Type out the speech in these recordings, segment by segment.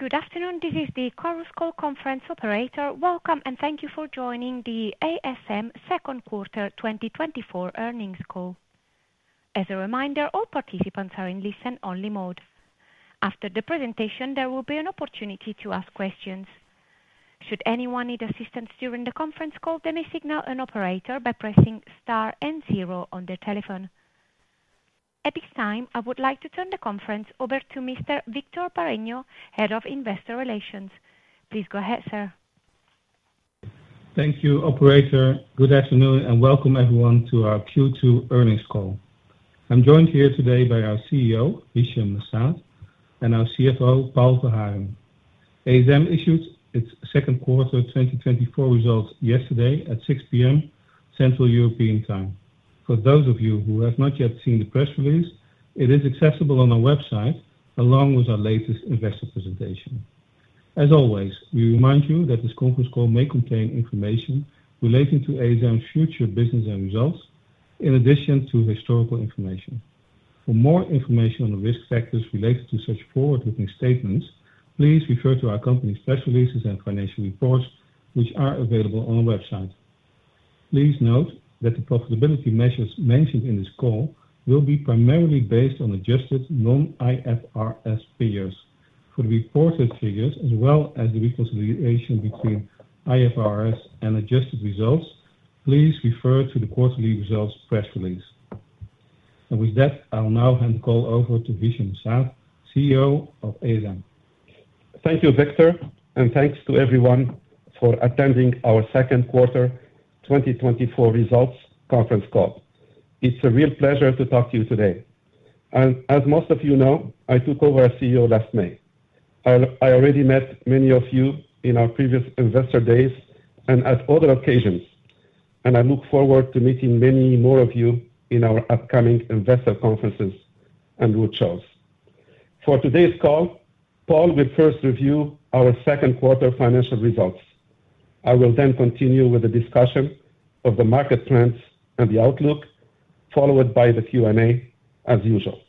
Good afternoon. This is the Chorus Call Conference operator. Welcome, and thank you for joining the ASM Second Quarter 2024 Earnings Call. As a reminder, all participants are in listen-only mode. After the presentation, there will be an opportunity to ask questions. Should anyone need assistance during the conference call, they may signal an operator by pressing star and zero on their telephone. At this time, I would like to turn the conference over to Mr. Victor Bareño, Head of Investor Relations. Please go ahead, sir. Thank you, operator. Good afternoon, and welcome everyone to our Q2 earnings call. I'm joined here today by our CEO, Hichem M'Saad, and our CFO, Paul Verhagen. ASM issued its second quarter 2024 results yesterday at 6 P.M., Central European Time. For those of you who have not yet seen the press release, it is accessible on our website, along with our latest investor presentation. As always, we remind you that this conference call may contain information relating to ASM future business and results, in addition to historical information. For more information on the risk factors related to such forward-looking statements, please refer to our company's press releases and financial reports, which are available on our website. Please note that the profitability measures mentioned in this call will be primarily based on adjusted non-IFRS figures. For the reported figures, as well as the reconciliation between IFRS and adjusted results, please refer to the quarterly results press release. With that, I'll now hand the call over to Hichem M'Saad, CEO of ASM. Thank you, Victor, and thanks to everyone for attending our second quarter 2024 results conference call. It's a real pleasure to talk to you today, and as most of you know, I took over as CEO last May. I already met many of you in our previous investor days and at other occasions, and I look forward to meeting many more of you in our upcoming investor conferences and roadshows. For today's call, Paul will first review our second quarter financial results. I will then continue with the discussion of the market trends and the outlook, followed by the Q&A, as usual.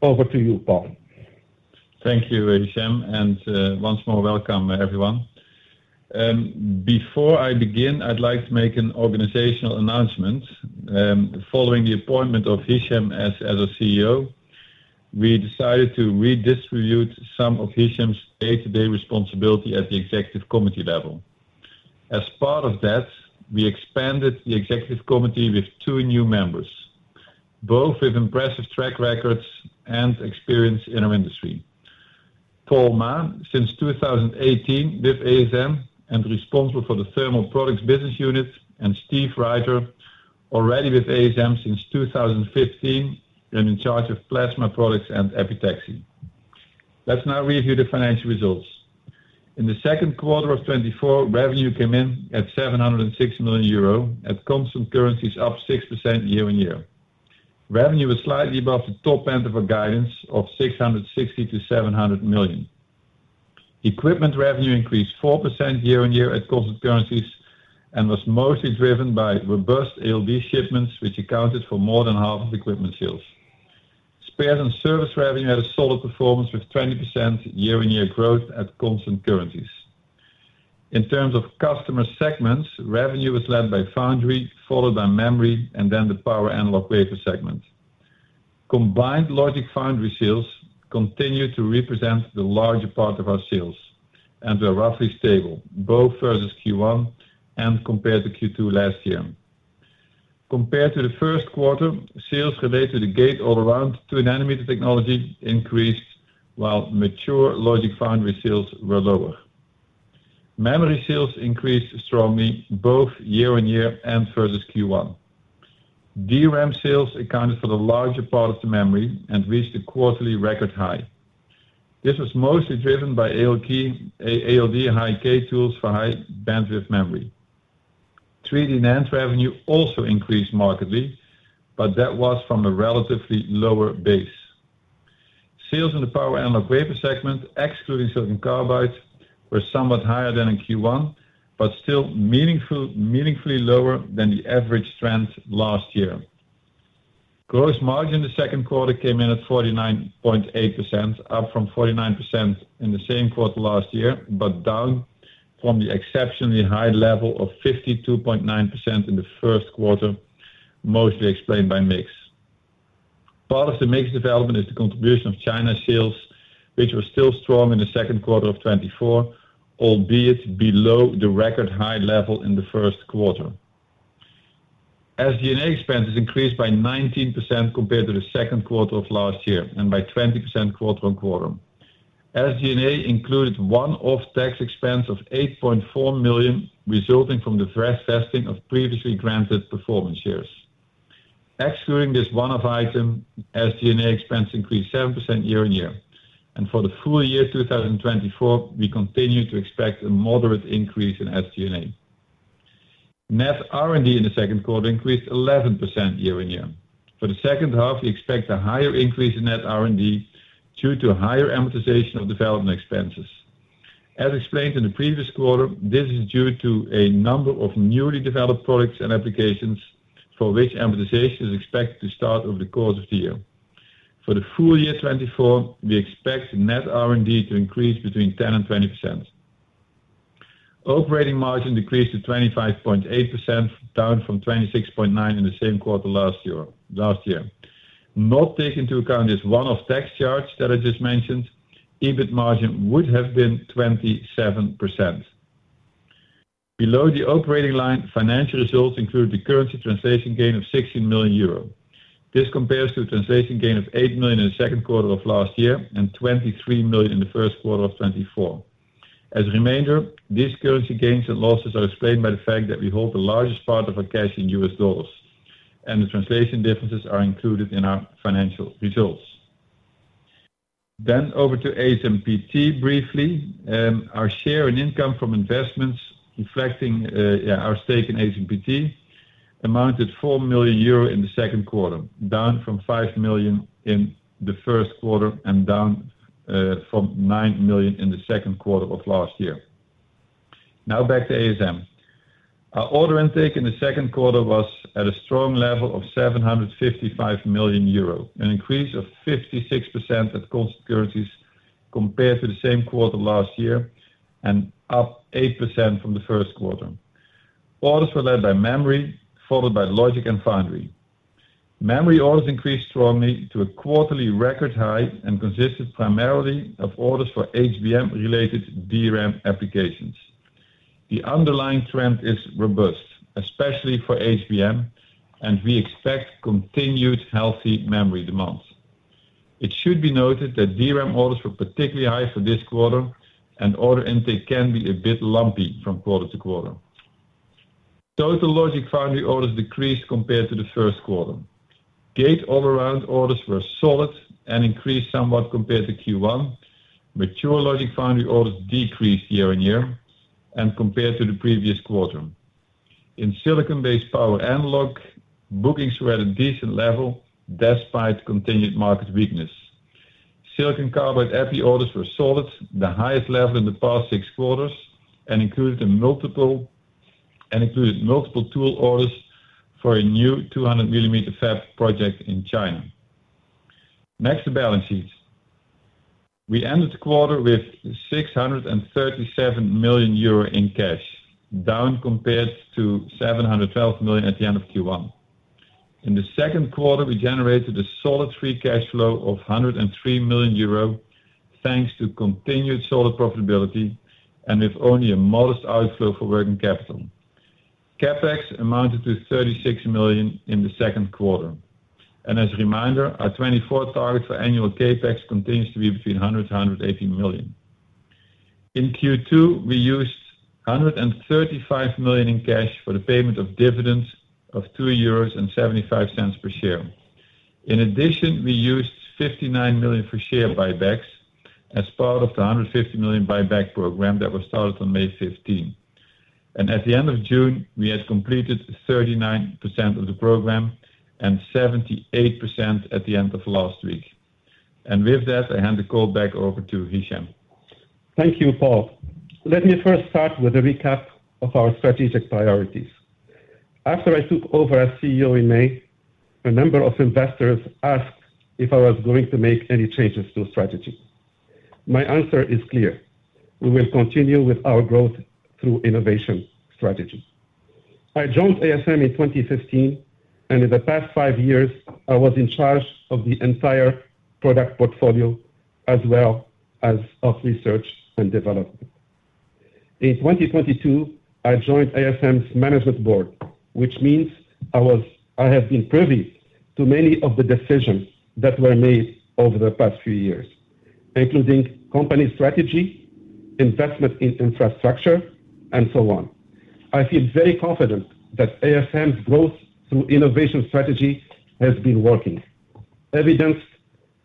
Over to you, Paul. Thank you, Hichem, and once more, welcome, everyone. Before I begin, I'd like to make an organizational announcement. Following the appointment of Hichem as our CEO, we decided to redistribute some of Hichem's day-to-day responsibility at the executive committee level. As part of that, we expanded the executive committee with two new members, both with impressive track records and experience in our industry. Paul Ma, since 2018 with ASM, and responsible for the thermal products business unit, and Steve Reiter, already with ASM since 2015, and in charge of plasma products and epitaxy. Let's now review the financial results. In the second quarter of 2024, revenue came in at 706 million euro. At constant currencies, up 6% year-on-year. Revenue was slightly above the top end of our guidance of 660 million-700 million. Equipment revenue increased 4% year-on-year at constant currencies, and was mostly driven by robust ALD shipments, which accounted for more than half of equipment sales. Spares & Services revenue had a solid performance with 20% year-on-year growth at constant currencies. In terms of customer segments, revenue was led by foundry, followed by memory, and then the power analog wafer segment. Combined logic foundry sales continued to represent the larger part of our sales and were roughly stable, both versus Q1 and compared to Q2 last year. Compared to the first quarter, sales related to the gate-all-around 2 nm technology increased, while mature logic foundry sales were lower. Memory sales increased strongly both year-on-year and versus Q1. DRAM sales accounted for the larger part of the memory and reached a quarterly record high. This was mostly driven by ALD and high-k tools for high bandwidth memory. 3D NAND revenue also increased markedly, but that was from a relatively lower base. Sales in the power analog wafer segment, excluding silicon carbide, were somewhat higher than in Q1, but still meaningfully lower than the average trend last year. Gross margin in the second quarter came in at 49.8%, up from 49% in the same quarter last year, but down from the exceptionally high level of 52.9% in the first quarter, mostly explained by mix. Part of the mix development is the contribution of China sales, which were still strong in the second quarter of 2024, albeit below the record high level in the first quarter. SG&A expenses increased by 19% compared to the second quarter of last year, and by 20% quarter-on-quarter. SG&A included one-off tax expense of 8.4 million, resulting from the fresh vesting of previously granted performance shares. Excluding this one-off item, SG&A expense increased 7% year-on-year, and for the full year 2024, we continue to expect a moderate increase in SG&A. Net R&D in the second quarter increased 11% year-on-year. For the second half, we expect a higher increase in net R&D due to higher amortization of development expenses. As explained in the previous quarter, this is due to a number of newly developed products and applications for which amortization is expected to start over the course of the year. For the full year 2024, we expect net R&D to increase between 10% and 20%. Operating margin decreased to 25.8%, down from 26.9% in the same quarter last year, last year. Not taking into account this one-off tax charge that I just mentioned, EBIT margin would have been 27%. Below the operating line, financial results include the currency translation gain of 16 million euro. This compares to a translation gain of 8 million in the second quarter of last year and 23 million in the first quarter of 2024. As a reminder, these currency gains and losses are explained by the fact that we hold the largest part of our cash in U.S. dollars, and the translation differences are included in our financial results. Then over to ASMPT, briefly, our share in income from investments reflecting our stake in ASMPT, amounted to 4 million euro in the second quarter, down from 5 million in the first quarter and down from 9 million in the second quarter of last year. Now, back to ASM. Our order intake in the second quarter was at a strong level of 755 million euro, an increase of 56% at constant currencies compared to the same quarter last year and up 8% from the first quarter. Orders were led by memory, followed by logic and foundry. Memory orders increased strongly to a quarterly record high and consisted primarily of orders for HBM-related DRAM applications. The underlying trend is robust, especially for HBM, and we expect continued healthy memory demands. It should be noted that DRAM orders were particularly high for this quarter, and order intake can be a bit lumpy from quarter-to-quarter. Total logic foundry orders decreased compared to the first quarter. gate-all-around orders were solid and increased somewhat compared to Q1, mature logic foundry orders decreased year-on-year and compared to the previous quarter. In silicon-based power analog, bookings were at a decent level despite continued market weakness. silicon carbide epi orders were solid, the highest level in the past six quarters, and included multiple tool orders for a new 200 mm fab project in China. Next, the balance sheet. We ended the quarter with 637 million euro in cash, down compared to 712 million at the end of Q1. In the second quarter, we generated a solid free cash flow of 103 million euro, thanks to continued solid profitability and with only a modest outflow for working capital. CapEx amounted to 36 million in the second quarter, and as a reminder, our 2024 target for annual CapEx continues to be between 100 million-180 million. In Q2, we used 135 million in cash for the payment of dividends of 2.75 euros per share. In addition, we used 59 million for share buybacks as part of the 150 million buyback program that was started on May 15. And at the end of June, we had completed 39% of the program and 78% at the end of last week. And with that, I hand the call back over to Hichem. Thank you, Paul. Let me first start with a recap of our strategic priorities. After I took over as CEO in May, a number of investors asked if I was going to make any changes to the strategy. My answer is clear: We will continue with our growth through innovation strategy. I joined ASM in 2015, and in the past five years, I was in charge of the entire product portfolio, as well as of research and development. In 2022, I joined ASM's management board, which means I have been privy to many of the decisions that were made over the past few years, including company strategy, investment in infrastructure, and so on. I feel very confident that ASM's growth through innovation strategy has been working, evidenced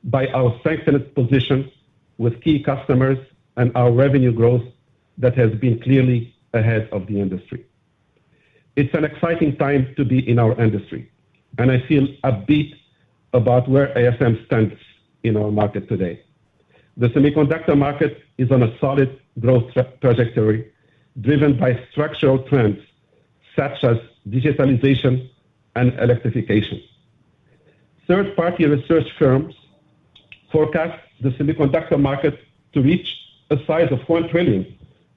by our strengthened position with key customers and our revenue growth that has been clearly ahead of the industry. It's an exciting time to be in our industry, and I feel upbeat about where ASM stands in our market today. The semiconductor market is on a solid growth trajectory, driven by structural trends such as digitalization and electrification. Third-party research firms forecast the semiconductor market to reach a size of 4 trillion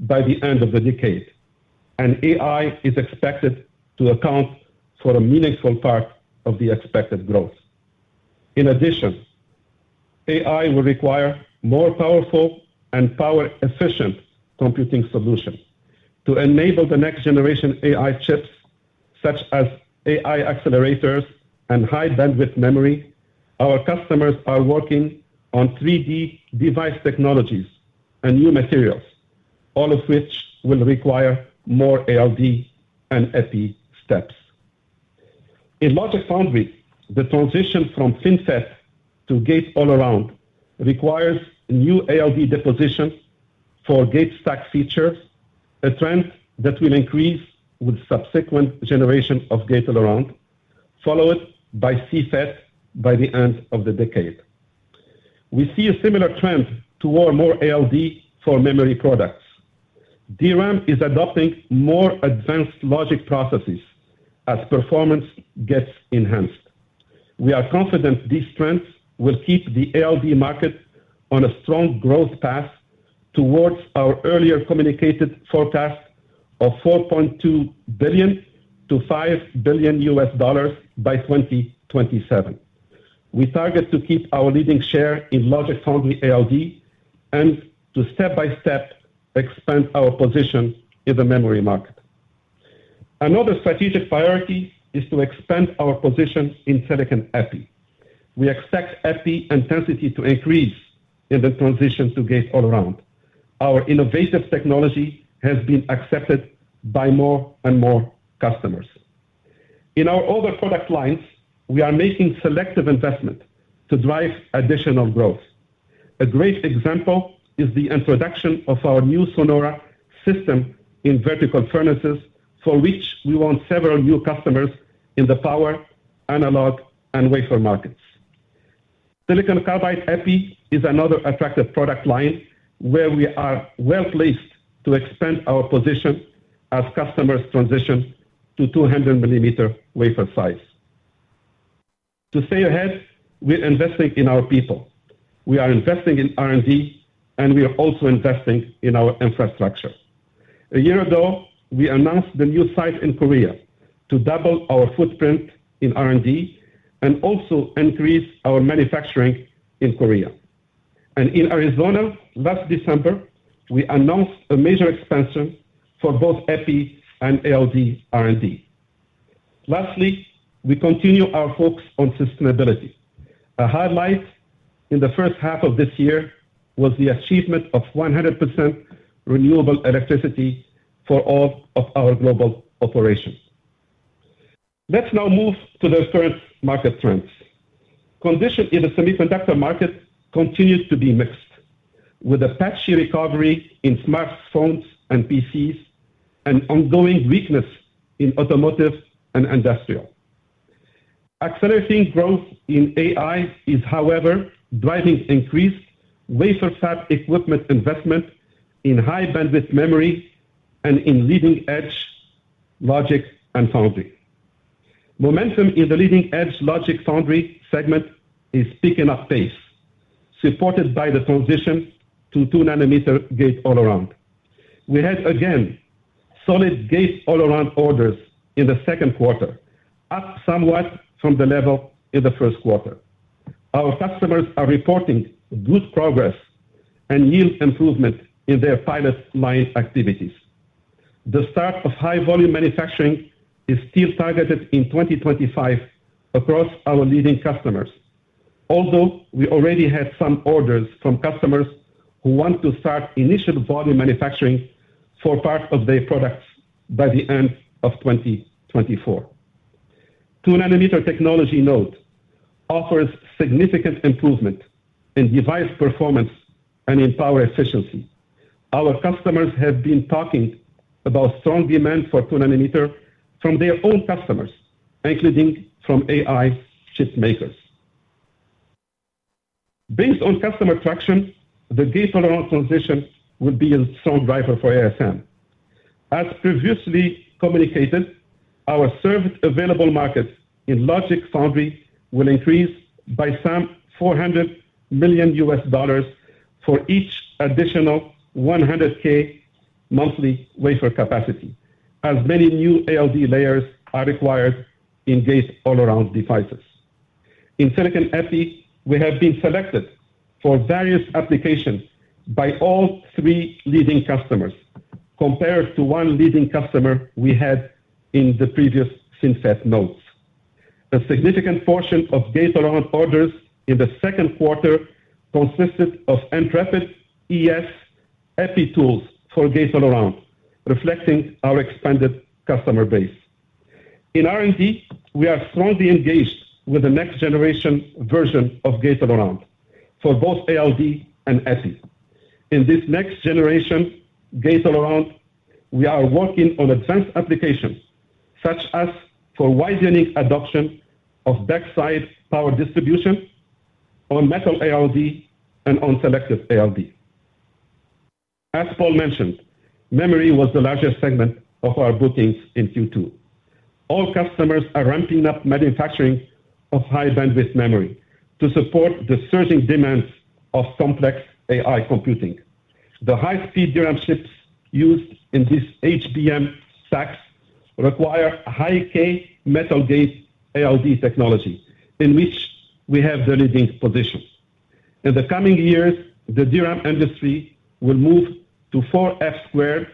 by the end of the decade, and AI is expected to account for a meaningful part of the expected growth. In addition, AI will require more powerful and power-efficient computing solutions. To enable the next generation AI chips, such as AI accelerators and high bandwidth memory, our customers are working on 3D device technologies and new materials, all of which will require more ALD and epi steps. In Logic Foundry, the transition from FinFET to gate-all-around requires new ALD depositions for gate stack features, a trend that will increase with subsequent generations of gate-all-around followed by CFET by the end of the decade. We see a similar trend toward more ALD for memory products. DRAM is adopting more advanced logic processes as performance gets enhanced. We are confident these trends will keep the ALD market on a strong growth path towards our earlier communicated forecast of $4.2 billion-$5 billion by 2027. We target to keep our leading share in logic foundry ALD, and to step by step expand our position in the memory market. Another strategic priority is to expand our position in silicon epi. We expect epi intensity to increase in the transition to gate-all-around. Our innovative technology has been accepted by more and more customers. In our other product lines, we are making selective investment to drive additional growth. A great example is the introduction of our new Sonora system in vertical furnaces, for which we want several new customers in the power, analog, and wafer markets. silicon carbide epi is another attractive product line where we are well-placed to expand our position as customers transition to 200 mm wafer size. To stay ahead, we are investing in our people. We are investing in R&D, and we are also investing in our infrastructure. A year ago, we announced the new site in Korea to double our footprint in R&D and also increase our manufacturing in Korea. In Arizona, last December, we announced a major expansion for both epi and ALD R&D. Lastly, we continue our focus on sustainability. A highlight in the first half of this year was the achievement of 100% renewable electricity for all of our global operations. Let's now move to the current market trends. Conditions in the semiconductor market continues to be mixed, with a patchy recovery in smartphones and PCs and ongoing weakness in automotive and industrial. Accelerating growth in AI is, however, driving increased wafer fab equipment investment in high-bandwidth memory and in leading-edge logic and foundry. Momentum in the leading-edge logic foundry segment is picking up pace, supported by the transition to 2 nm gate-all-around. We had, again, solid gate-all-around orders in the second quarter, up somewhat from the level in the first quarter. Our customers are reporting good progress and yield improvement in their pilot line activities. The start of high volume manufacturing is still targeted in 2025 across our leading customers, although we already have some orders from customers who want to start initial volume manufacturing for part of their products by the end of 2024. 2 nm technology node offers significant improvement in device performance and in power efficiency. Our customers have been talking about strong demand for 2 nm from their own customers, including from AI chip makers. Based on customer traction, the gate-all-around transition will be a strong driver for ASM. As previously communicated, our served available market in logic foundry will increase by some $400 million for each additional 100,000 monthly wafer capacity, as many new ALD layers are required in gate-all-around devices. In silicon epi, we have been selected for various applications by all three leading customers, compared to one leading customer we had in the previous FinFET nodes. A significant portion of gate-all-around orders in the second quarter consisted of Intrepid ES epi tools for gate-all-around, reflecting our expanded customer base. In R&D, we are strongly engaged with the next generation version of gate-all-around for both ALD and epi. In this next generation gate-all-around, we are working on advanced applications, such as for widening adoption of Backside Power Distribution on metal ALD and on selective ALD. As Paul mentioned, memory was the largest segment of our bookings in Q2. All customers are ramping up manufacturing of high-bandwidth memory to support the surging demands of complex AI computing. The high-speed DRAM chips used in these HBM stacks require high-k metal gate ALD technology, in which we have the leading position. In the coming years, the DRAM industry will move to 4F²,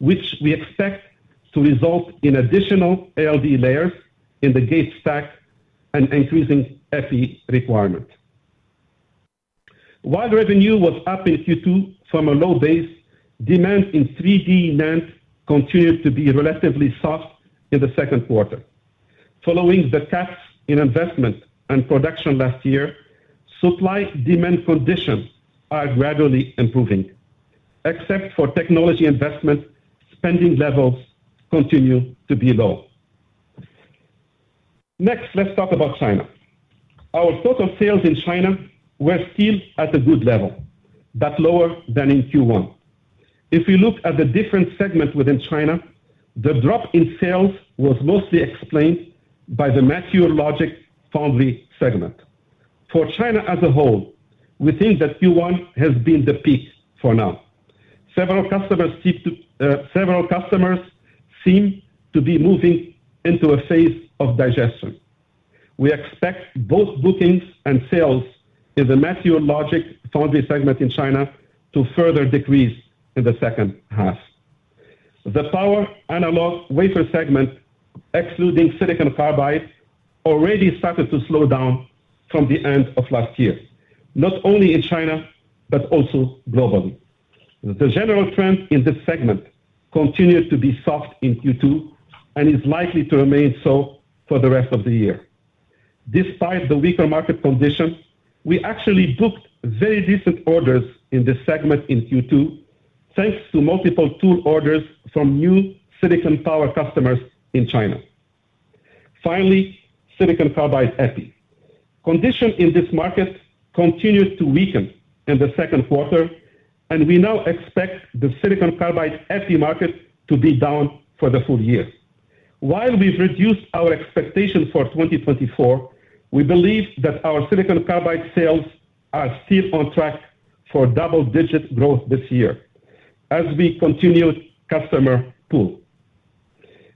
which we expect to result in additional ALD layers in the gate stack and increasing epi requirement. While revenue was up in Q2 from a low base, demand in 3D NAND continued to be relatively soft in the second quarter. Following the cuts in investment and production last year, supply-demand conditions are gradually improving. Except for technology investment, spending levels continue to be low. Next, let's talk about China. Our total sales in China were still at a good level, but lower than in Q1. If you look at the different segments within China, the drop in sales was mostly explained by the memory logic foundry segment. For China as a whole, we think that Q1 has been the peak for now. Several customers seem to be moving into a phase of digestion. We expect both bookings and sales in the memory logic foundry segment in China to further decrease in the second half. The power analog wafer segment, excluding silicon carbide, already started to slow down from the end of last year, not only in China, but also globally. The general trend in this segment continued to be soft in Q2, and is likely to remain so for the rest of the year. Despite the weaker market conditions, we actually booked very decent orders in this segment in Q2, thanks to multiple tool orders from new silicon power customers in China. Finally, silicon carbide epi. Condition in this market continued to weaken in the second quarter, and we now expect the silicon carbide epi market to be down for the full year. While we've reduced our expectation for 2024, we believe that our silicon carbide sales are still on track for double-digit growth this year as we continue customer pull.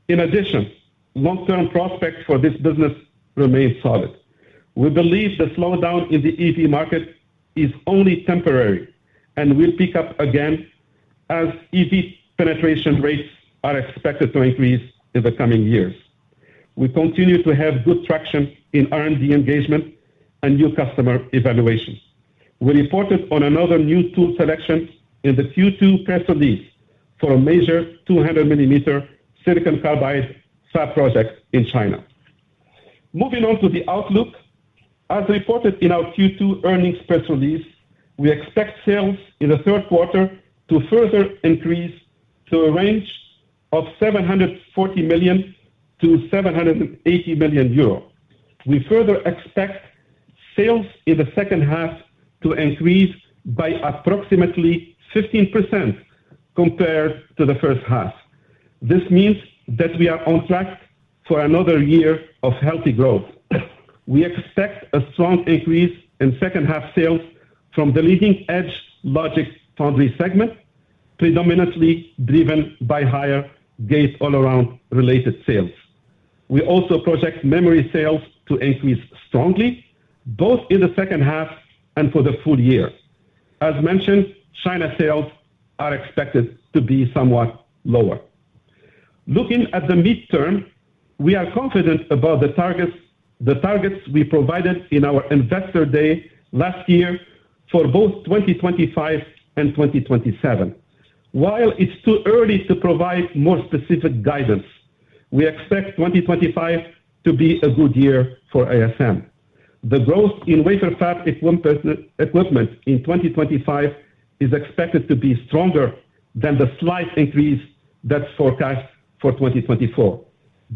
In addition, long-term prospects for this business remain solid. We believe the slowdown in the EV market is only temporary and will pick up again as EV penetration rates are expected to increase in the coming years. We continue to have good traction in R&D engagement and new customer evaluations. We reported on another new tool selection in the Q2 press release for a major 200 mm silicon carbide fab project in China. Moving on to the outlook. As reported in our Q2 earnings press release, we expect sales in the third quarter to further increase to a range of 740 million-780 million euro. We further expect sales in the second half to increase by approximately 15% compared to the first half. This means that we are on track for another year of healthy growth. We expect a strong increase in second-half sales from the leading-edge logic foundry segment, predominantly driven by higher gate-all-around related sales. We also project memory sales to increase strongly, both in the second half and for the full year. As mentioned, China sales are expected to be somewhat lower. Looking at the mid-term, we are confident about the targets, the targets we provided in our investor day last year for both 2025 and 2027. While it's too early to provide more specific guidance, we expect 2025 to be a good year for ASM. The growth in wafer fab equipment, equipment in 2025 is expected to be stronger than the slight increase that's forecast for 2024,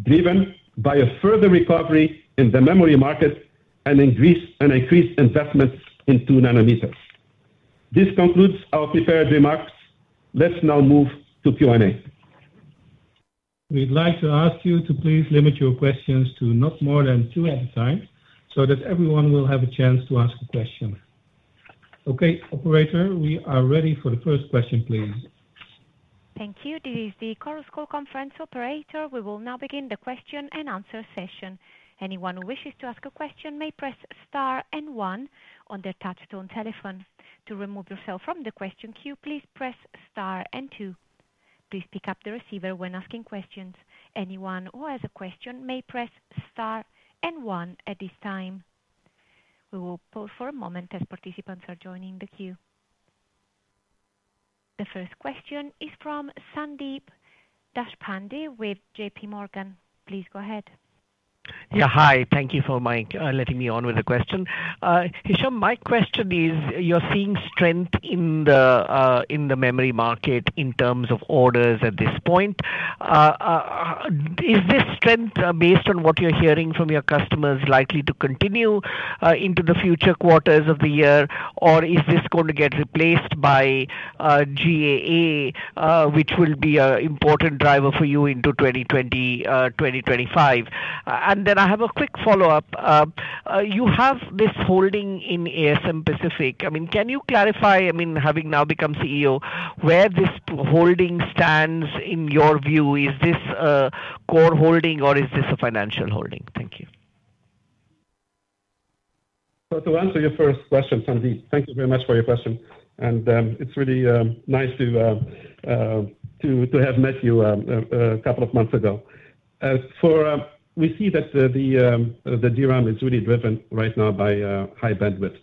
driven by a further recovery in the memory market and increased, and increased investments in 2 nm. This concludes our prepared remarks. Let's now move to Q&A. We'd like to ask you to please limit your questions to not more than two at a time, so that everyone will have a chance to ask a question. Okay, operator, we are ready for the first question, please. Thank you. This is the Chorus Call conference operator. We will now begin the question and answer session. Anyone who wishes to ask a question may press star and one on their touchtone telephone. To remove yourself from the question queue, please press star and two. Please pick up the receiver when asking questions. Anyone who has a question may press star and one at this time. We will pause for a moment as participants are joining the queue. The first question is from Sandeep Deshpande with JPMorgan. Please go ahead. Yeah, hi. Thank you for my letting me on with the question. Hichem, my question is, you're seeing strength in the memory market in terms of orders at this point. Is this strength, based on what you're hearing from your customers, likely to continue into the future quarters of the year? Or is this going to get replaced by GAA, which will be an important driver for you into 2025? And then I have a quick follow-up. You have this holding in ASM Pacific. I mean, can you clarify, I mean, having now become CEO, where this holding stands, in your view, is this a core holding or is this a financial holding? Thank you. So to answer your first question, Sandeep, thank you very much for your question, and it's really to have met you a couple of months ago. As for, we see that the DRAM is really driven right now by high bandwidth.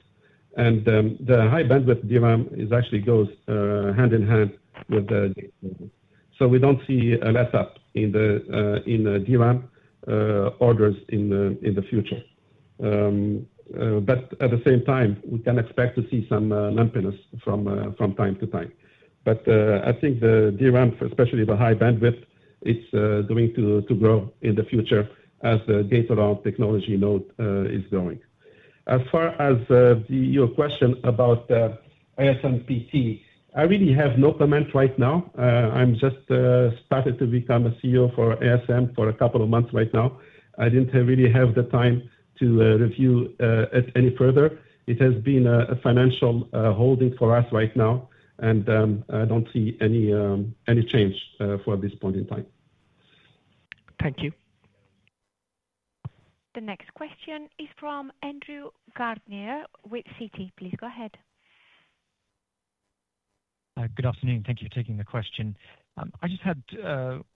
And the high bandwidth DRAM actually goes hand in hand with the... So we don't see a letup in the DRAM orders in the future. But at the same time, we can expect to see some lumpiness from time to time. But I think the DRAM, especially the high bandwidth, is going to grow in the future as the gate-all-around technology node is going. As far as your question about ASMPT, I really have no comment right now. I'm just started to become a CEO for ASM for a couple of months right now. I didn't really have the time to review it any further. It has been a financial holding for us right now, and I don't see any change for this point in time. Thank you. The next question is from Andrew Gardiner with Citi. Please go ahead. Good afternoon. Thank you for taking the question. I just had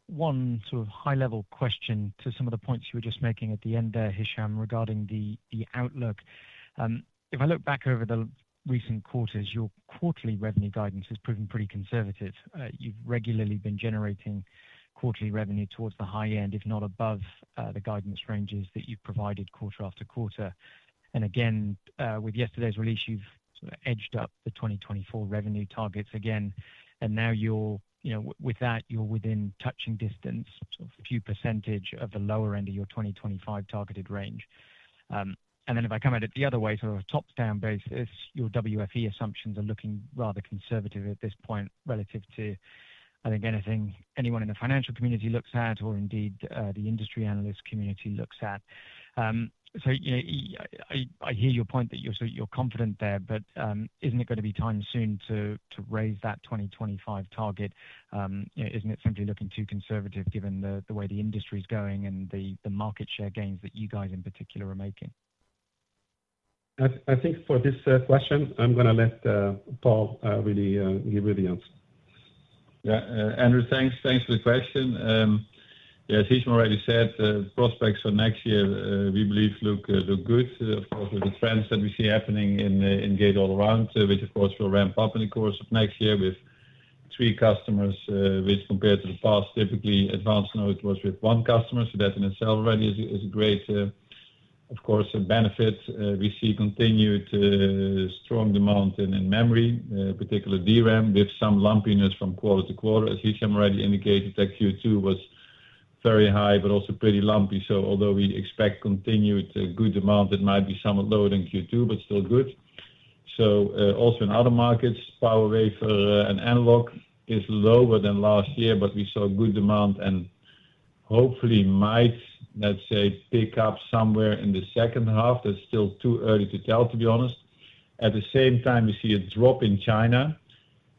one sort of high-level question to some of the points you were just making at the end there, Hichem, regarding the outlook. If I look back over the recent quarters, your quarterly revenue guidance has proven pretty conservative. You've regularly been generating quarterly revenue towards the high end, if not above, the guidance ranges that you've provided quarter after quarter. Again, with yesterday's release, you've sort of edged up the 2024 revenue targets again, and now you're, you know, with that, you're within touching distance of a few percentage of the lower end of your 2025 targeted range. And then if I come at it the other way, sort of a top-down basis, your WFE assumptions are looking rather conservative at this point, relative to, I think, anything anyone in the financial community looks at, or indeed, the industry analyst community looks at. So, you know, I hear your point that you're confident there, but, isn't it gonna be time soon to raise that 2025 target? You know, isn't it simply looking too conservative, given the way the industry's going and the market share gains that you guys in particular are making? I think for this question, I'm gonna let Paul really give you the answer. Yeah. Andrew, thanks, thanks for the question. Yeah, as Hichem already said, prospects for next year, we believe look, look good. Of course, with the trends that we see happening in, in Gate-All-Around, which of course will ramp up in the course of next year with three customers, which compared to the past, typically advanced node was with one customer, so that in itself already is, is great. Of course, the benefits, we see continued, strong demand in, in memory, particular DRAM, with some lumpiness from quarter-to-quarter. As Hichem already indicated, that Q2 was very high, but also pretty lumpy. So although we expect continued, good demand, it might be somewhat lower than Q2, but still good. So, also in other markets, power wafer and analog is lower than last year, but we saw good demand and hopefully might, let's say, pick up somewhere in the second half. That's still too early to tell, to be honest. At the same time, we see a drop in China,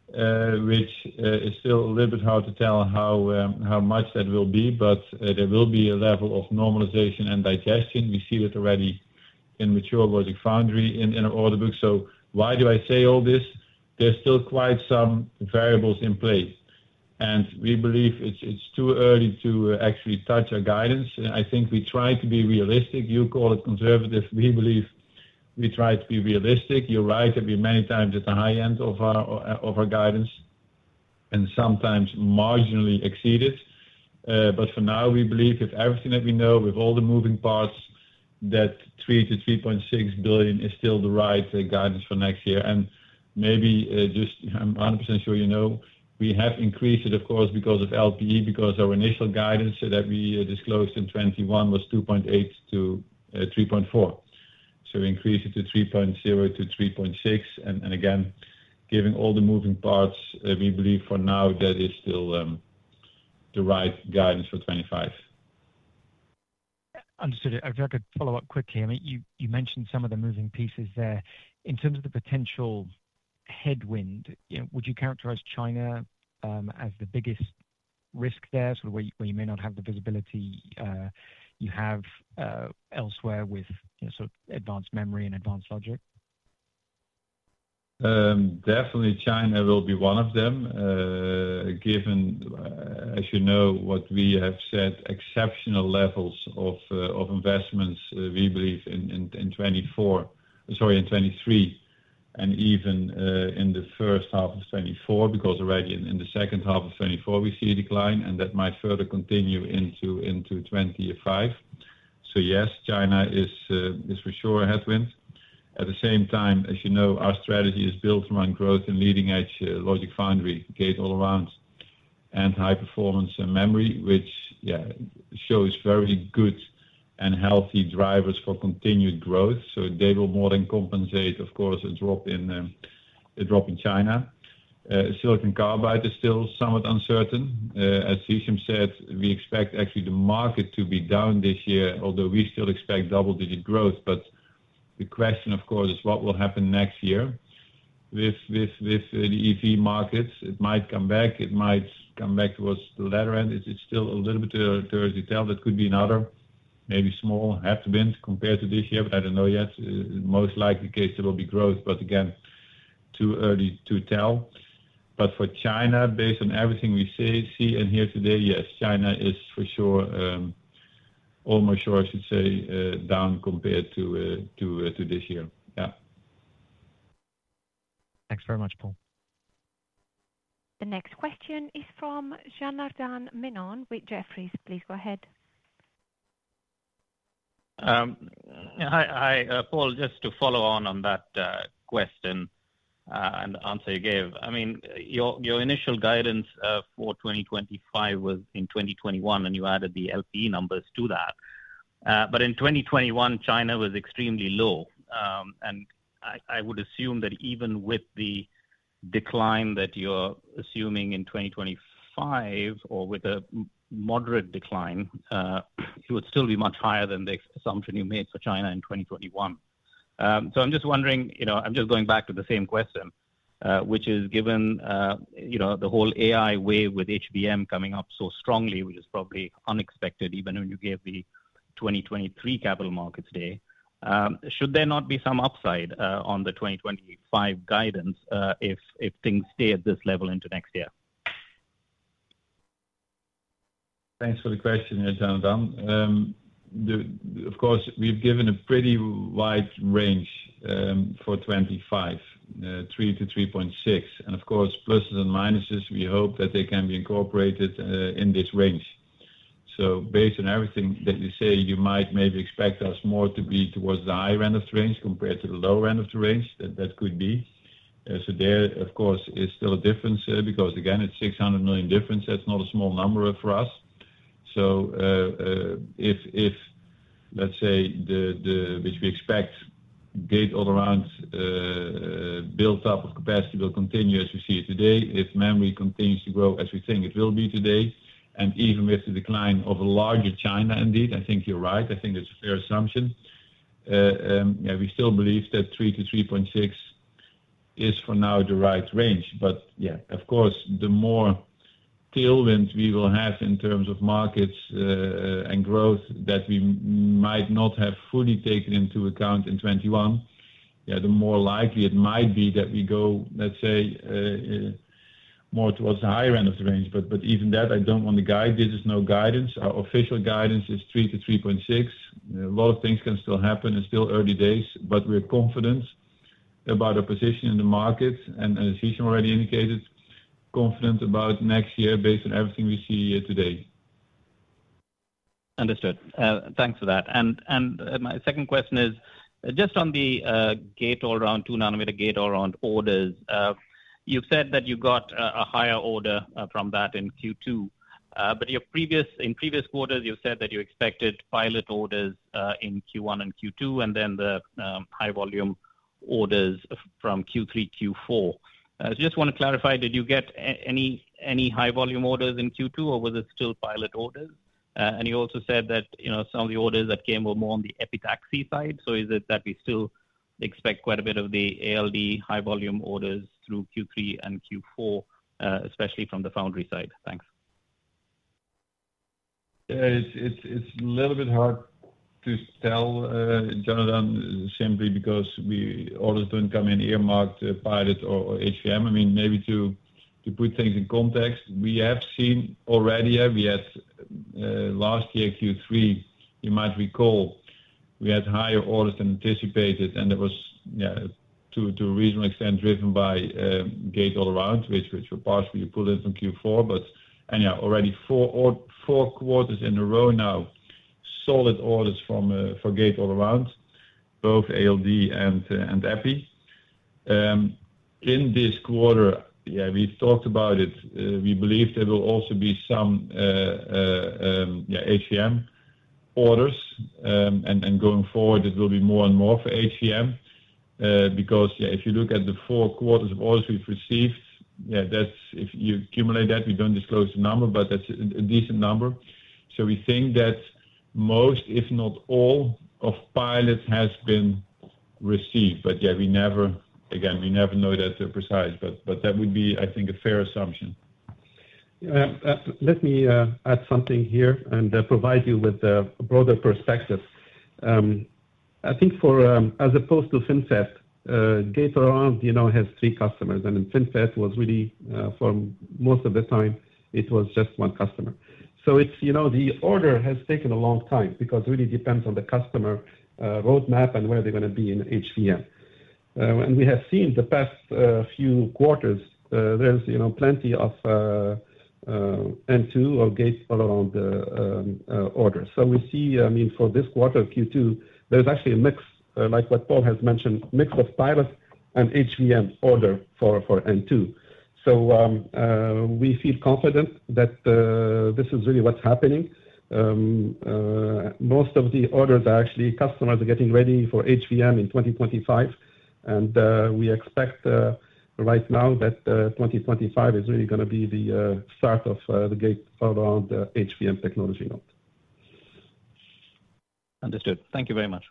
which is still a little bit hard to tell how much that will be, but there will be a level of normalization and digestion. We see that already in mature logic foundry in our order book. So why do I say all this? There's still quite some variables in play, and we believe it's too early to actually touch our guidance. I think we try to be realistic. You call it conservative. We believe we try to be realistic. You're right, that we many times at the high end of our, of our guidance, and sometimes marginally exceed it. But for now, we believe with everything that we know, with all the moving parts, that 3 billion-3.6 billion is still the right guidance for next year. And maybe, just I'm 100% sure you know, we have increased it, of course, because of LPE, because our initial guidance that we disclosed in 2021 was 2.8-3.4. So we increased it to 3.0-3.6, and again, given all the moving parts, we believe for now that is still the right guidance for 2025. Understood. If I could follow up quickly. I mean, you mentioned some of the moving pieces there. In terms of the potential headwind, you know, would you characterize China as the biggest risk there, sort of, where you may not have the visibility you have elsewhere with, you know, sort of advanced memory and advanced logic? Definitely China will be one of them. Given, as you know, what we have said, exceptional levels of investments, we believe in 2023, and even in the first half of 2024, because already in the second half of 2024, we see a decline, and that might further continue into 2025. So yes, China is for sure a headwind. At the same time, as you know, our strategy is built around growth and leading-edge logic foundry, gate-all-around, and high performance and memory, which, yeah, shows very good and healthy drivers for continued growth. So they will more than compensate, of course, a drop in, a drop in China. Silicon carbide is still somewhat uncertain. As Hichem said, we expect actually the market to be down this year, although we still expect double-digit growth. But the question, of course, is what will happen next year with the EV markets? It might come back. It might come back towards the latter end. It's still a little bit early to tell. That could be another, maybe small headwind compared to this year, but I don't know yet. Most likely case there will be growth, but again, too early to tell. But for China, based on everything we see and hear today, yes, China is for sure, almost sure, I should say, down compared to this year. Yeah. Thanks very much, Paul. The next question is from Janardan Menon with Jefferies. Please go ahead. Yeah, hi, hi. Paul, just to follow on that question and the answer you gave. I mean, your initial guidance for 2025 was in 2021, and you added the LP numbers to that. But in 2021, China was extremely low. And I would assume that even with the decline that you're assuming in 2025, or with a moderate decline, it would still be much higher than the assumption you made for China in 2021. So I'm just wondering, you know, I'm just going back to the same question, which is given, you know, the whole AI wave with HBM coming up so strongly, which is probably unexpected, even when you gave the 2023 Capital Markets Day, should there not be some upside, on the 2025 guidance, if things stay at this level into next year? Thanks for the question, Janardan. Of course, we've given a pretty wide range for 2025, 3 billion-3.6 billion, and of course, pluses and minuses, we hope that they can be incorporated in this range. So based on everything that you say, you might maybe expect us more to be towards the high end of the range compared to the low end of the range. That could be. So there, of course, is still a difference, because, again, it's 600 million difference. That's not a small number for us. So, if, if, let's say, the, the... Which we expect gate-all-around build-up of capacity will continue as we see it today, if memory continues to grow as we think it will be today, and even with the decline of a larger China, indeed, I think you're right. I think that's a fair assumption. Yeah, we still believe that 3 billion-3.6 billion is, for now, the right range. But yeah, of course, the more tailwind we will have in terms of markets and growth that we might not have fully taken into account in 2021, yeah, the more likely it might be that we go, let's say, more towards the higher end of the range. But even that, I don't want to guide. This is no guidance. Our official guidance is 3 billion-3.6 billion. A lot of things can still happen. It's still early days, but we're confident about our position in the market, and as Hichem already indicated, confident about next year based on everything we see here today. Understood. Thanks for that. And my second question is, just on the gate-all-around, 2 nm gate-all-around orders, you've said that you got a higher order from that in Q2. But in previous quarters, you said that you expected pilot orders in Q1 and Q2, and then the high volume orders from Q3, Q4. I just want to clarify, did you get any high volume orders in Q2, or was it still pilot orders? And you also said that, you know, some of the orders that came were more on the epitaxy side. So is it that we still expect quite a bit of the ALD high volume orders through Q3 and Q4, especially from the foundry side? Thanks. Yeah, it's a little bit hard to tell, Janardan, simply because we... orders don't come in earmarked pilot or HVM. I mean, maybe to put things in context, we have seen already. We had last year, Q3, you might recall, we had higher orders than anticipated, and it was to a reasonable extent driven by gate-all-around, which were partially pulled in from Q4. Already four quarters in a row now, solid orders for gate-all-around, both ALD and epi. In this quarter, we talked about it. We believe there will also be some HVM orders. And going forward, it will be more and more for HVM, because if you look at the four quarters of orders we've received, that's if you accumulate that, we don't disclose the number, but that's a decent number. So we think that most, if not all, of pilots has been received. But we never, again, we never know that precise, but that would be, I think, a fair assumption. Yeah, let me add something here and provide you with a broader perspective. I think for as opposed to FinFET, Gate All Around, you know, has three customers, and in FinFET was really for most of the time, it was just one customer. So it's, you know, the order has taken a long time because it really depends on the customer roadmap and where they're gonna be in HVM. And we have seen the past few quarters, there's you know, plenty of N2 or Gate All Around orders. So we see, I mean, for this quarter, Q2, there's actually a mix like what Paul has mentioned, mix of pilots and HVM order for N2. So we feel confident that this is really what's happening. Most of the orders are actually customers are getting ready for HVM in 2025, and we expect right now that 2025 is really gonna be the start of the gate-all-around HVM technology node. Understood. Thank you very much.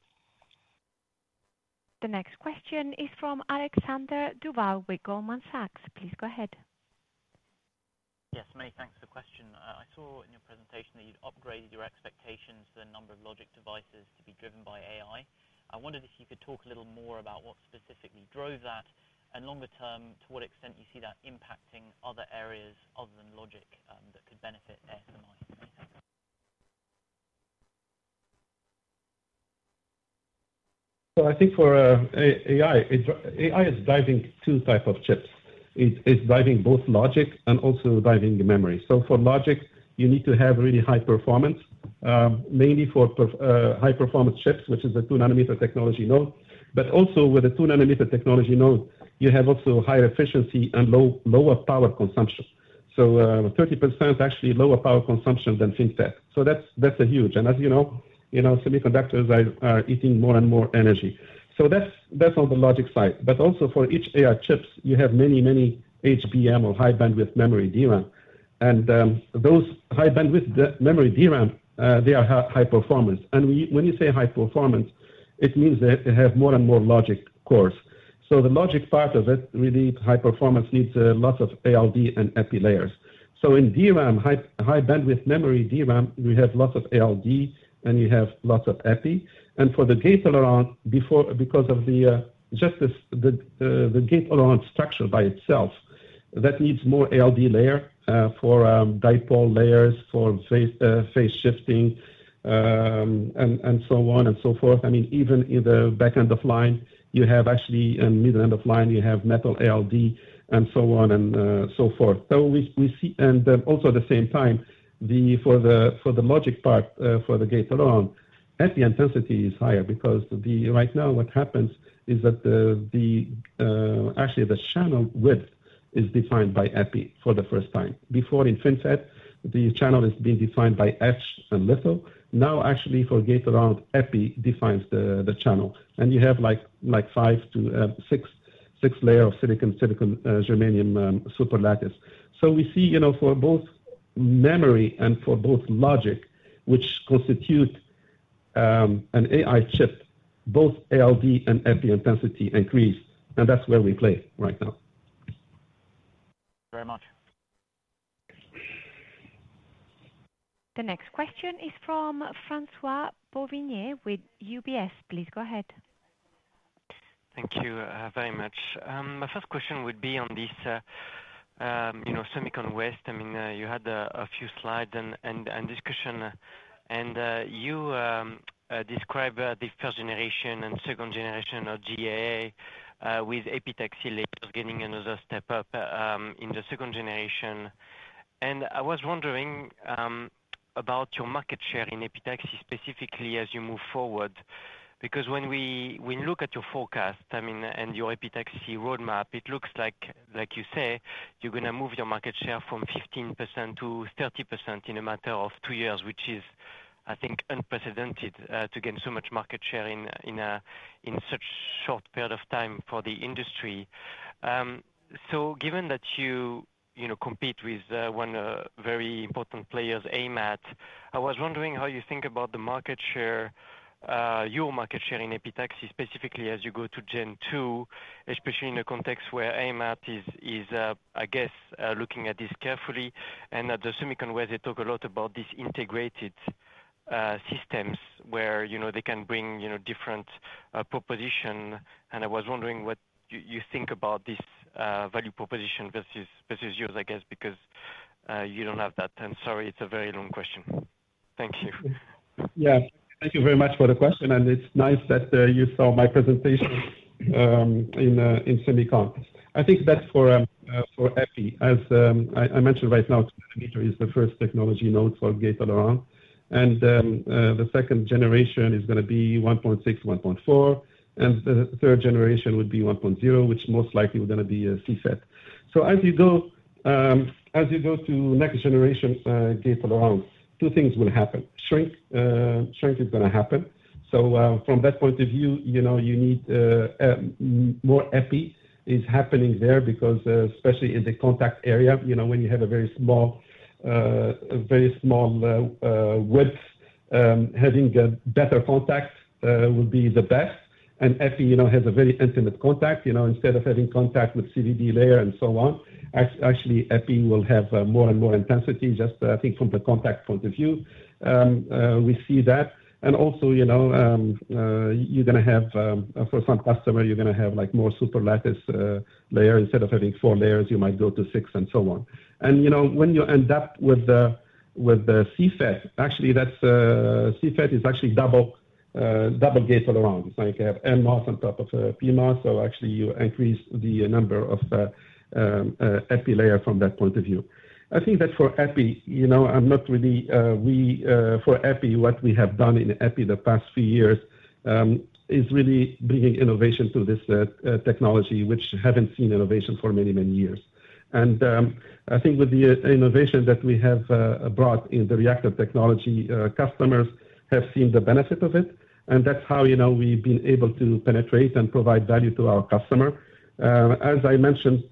The next question is from Alexander Duval with Goldman Sachs. Please go ahead. Yes, many thanks for the question. I saw in your presentation that you'd upgraded your expectations for the number of logic devices to be driven by AI. I wondered if you could talk a little more about what specifically drove that, and longer term, to what extent you see that impacting other areas other than logic, that could benefit ASM? So I think for AI, AI is driving two type of chips. It's driving both logic and also driving the memory. So for logic, you need to have really high performance, mainly for high-performance chips, which is a 2 nm technology node. But also with a 2 nm technology node, you have also higher efficiency and lower power consumption. So, 30% actually lower power consumption than FinFET. So that's a huge and as you know, you know, semiconductors are eating more and more energy. So that's on the logic side. But also for each AI chips, you have many, many HBM or high bandwidth memory DRAM. And, those high bandwidth memory DRAM, they are high performance. And when you say high performance, it means that they have more and more logic cores. So the logic part of it, really, high performance needs lots of ALD and epi layers. So in DRAM, high-bandwidth memory, DRAM, we have lots of ALD, and you have lots of epi. And for the gate-all-around, before—because of just this, the gate-all-around structure by itself, that needs more ALD layer for dipole layers, for phase shifting, and so on and so forth. I mean, even in the back end of line, you have actually middle end of line, you have metal ALD and so on and so forth. So we see... Also at the same time, for the logic part, for the gate-all-around, epi intensity is higher because right now, what happens is that actually the channel width is defined by epi for the first time. Before in FinFET, the channel is being defined by etch and litho. Now, actually, for gate-all-around, epi defines the channel, and you have like 5-6 layer of silicon, silicon germanium superlattice. So we see, you know, for both memory and for both logic, which constitute an AI chip, both ALD and epi intensity increase, and that's where we play right now. Thank you very much. The next question is from François Bouvignies with UBS. Please go ahead. Thank you, very much. My first question would be on this, you know, SEMICON West. I mean, you had a few slides and discussion, and you described the first generation and second generation of GAA, with epitaxy layers getting another step up, in the second generation. And I was wondering, about your market share in epitaxy, specifically as you move forward. Because when we look at your forecast, I mean, and your epitaxy roadmap, it looks like, like you say, you're gonna move your market share from 15% to 30% in a matter of two years, which is, I think, unprecedented, to gain so much market share in a, in such short period of time for the industry. So given that you, you know, compete with one very important players, AMAT, I was wondering how you think about the market share, your market share in epitaxy, specifically as you go to Gen 2, especially in a context where AMAT is, is I guess looking at this carefully. And at the SEMICON West, they talk a lot about these integrated systems where, you know, they can bring, you know, different proposition. And I was wondering what you, you think about this value proposition versus yours, I guess, because you don't have that. I'm sorry, it's a very long question. Thank you. Yeah. Thank you very much for the question, and it's nice that you saw my presentation in SEMICON. I think that's for epi. As I mentioned right now, nanometer is the first technology node for gate around. The second generation is gonna be 1.6 nm, 1.4 nm, and the third generation would be 1.0 nm, which most likely gonna be CFET. So as you go to next generation, gate around, two things will happen. Shrink, shrink is gonna happen. So, from that point of view, you know, you need more epi is happening there because, especially in the contact area, you know, when you have a very small, a very small width, having a better contact would be the best. And epi, you know, has a very intimate contact, you know, instead of having contact with CVD layer and so on, actually, epi will have more and more intensity. Just, I think from the contact point of view, we see that. And also, you know, you're gonna have, for some customer, you're gonna have, like, more superlattice layer. Instead of having four layers, you might go to six and so on. And you know, when you end up with the CFET, actually, that's CFET is actually double gate-all-around. It's like you have NMOS on top of PMOS, so actually you increase the number of epi layer from that point of view. I think that for epi, you know, for epi, what we have done in epi the past few years is really bringing innovation to this technology, which haven't seen innovation for many, many years. And I think with the innovation that we have brought in the reactive technology, customers have seen the benefit of it, and that's how, you know, we've been able to penetrate and provide value to our customer. As I mentioned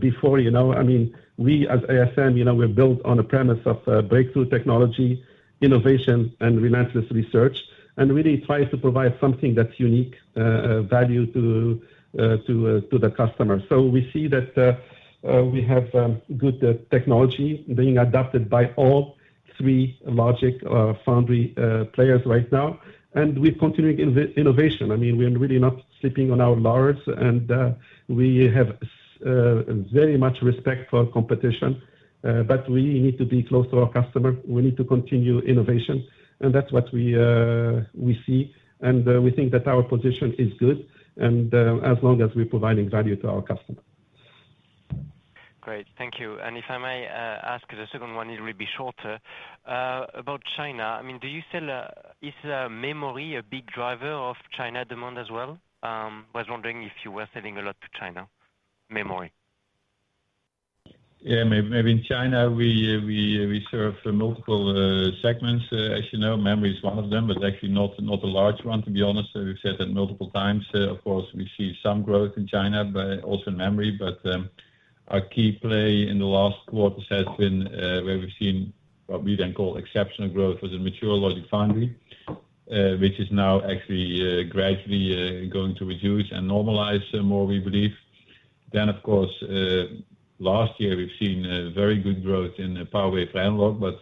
before, you know, I mean, we as ASM, you know, we're built on a premise of breakthrough technology, innovation, and relentless research, and really try to provide something that's unique value to the customer. So we see that we have good technology being adapted by all three logic foundry players right now, and we're continuing innovation. I mean, we're really not sleeping on our laurels, and we have very much respect for competition, but we need to be close to our customer. We need to continue innovation, and that's what we see, and we think that our position is good, and as long as we're providing value to our customer. Great. Thank you. And if I may, ask the second one, it will be shorter. About China, I mean, do you sell, is, memory a big driver of China demand as well? I was wondering if you were selling a lot to China, memory. Yeah, maybe in China, we serve multiple segments. As you know, memory is one of them, but actually not a large one, to be honest. So we've said that multiple times. Of course, we see some growth in China, but also in memory. But our key play in the last quarter has been where we've seen what we then call exceptional growth, was in mature logic foundry, which is now actually gradually going to reduce and normalize some more, we believe. Then of course, last year we've seen very good growth in the power, wafer, analog, but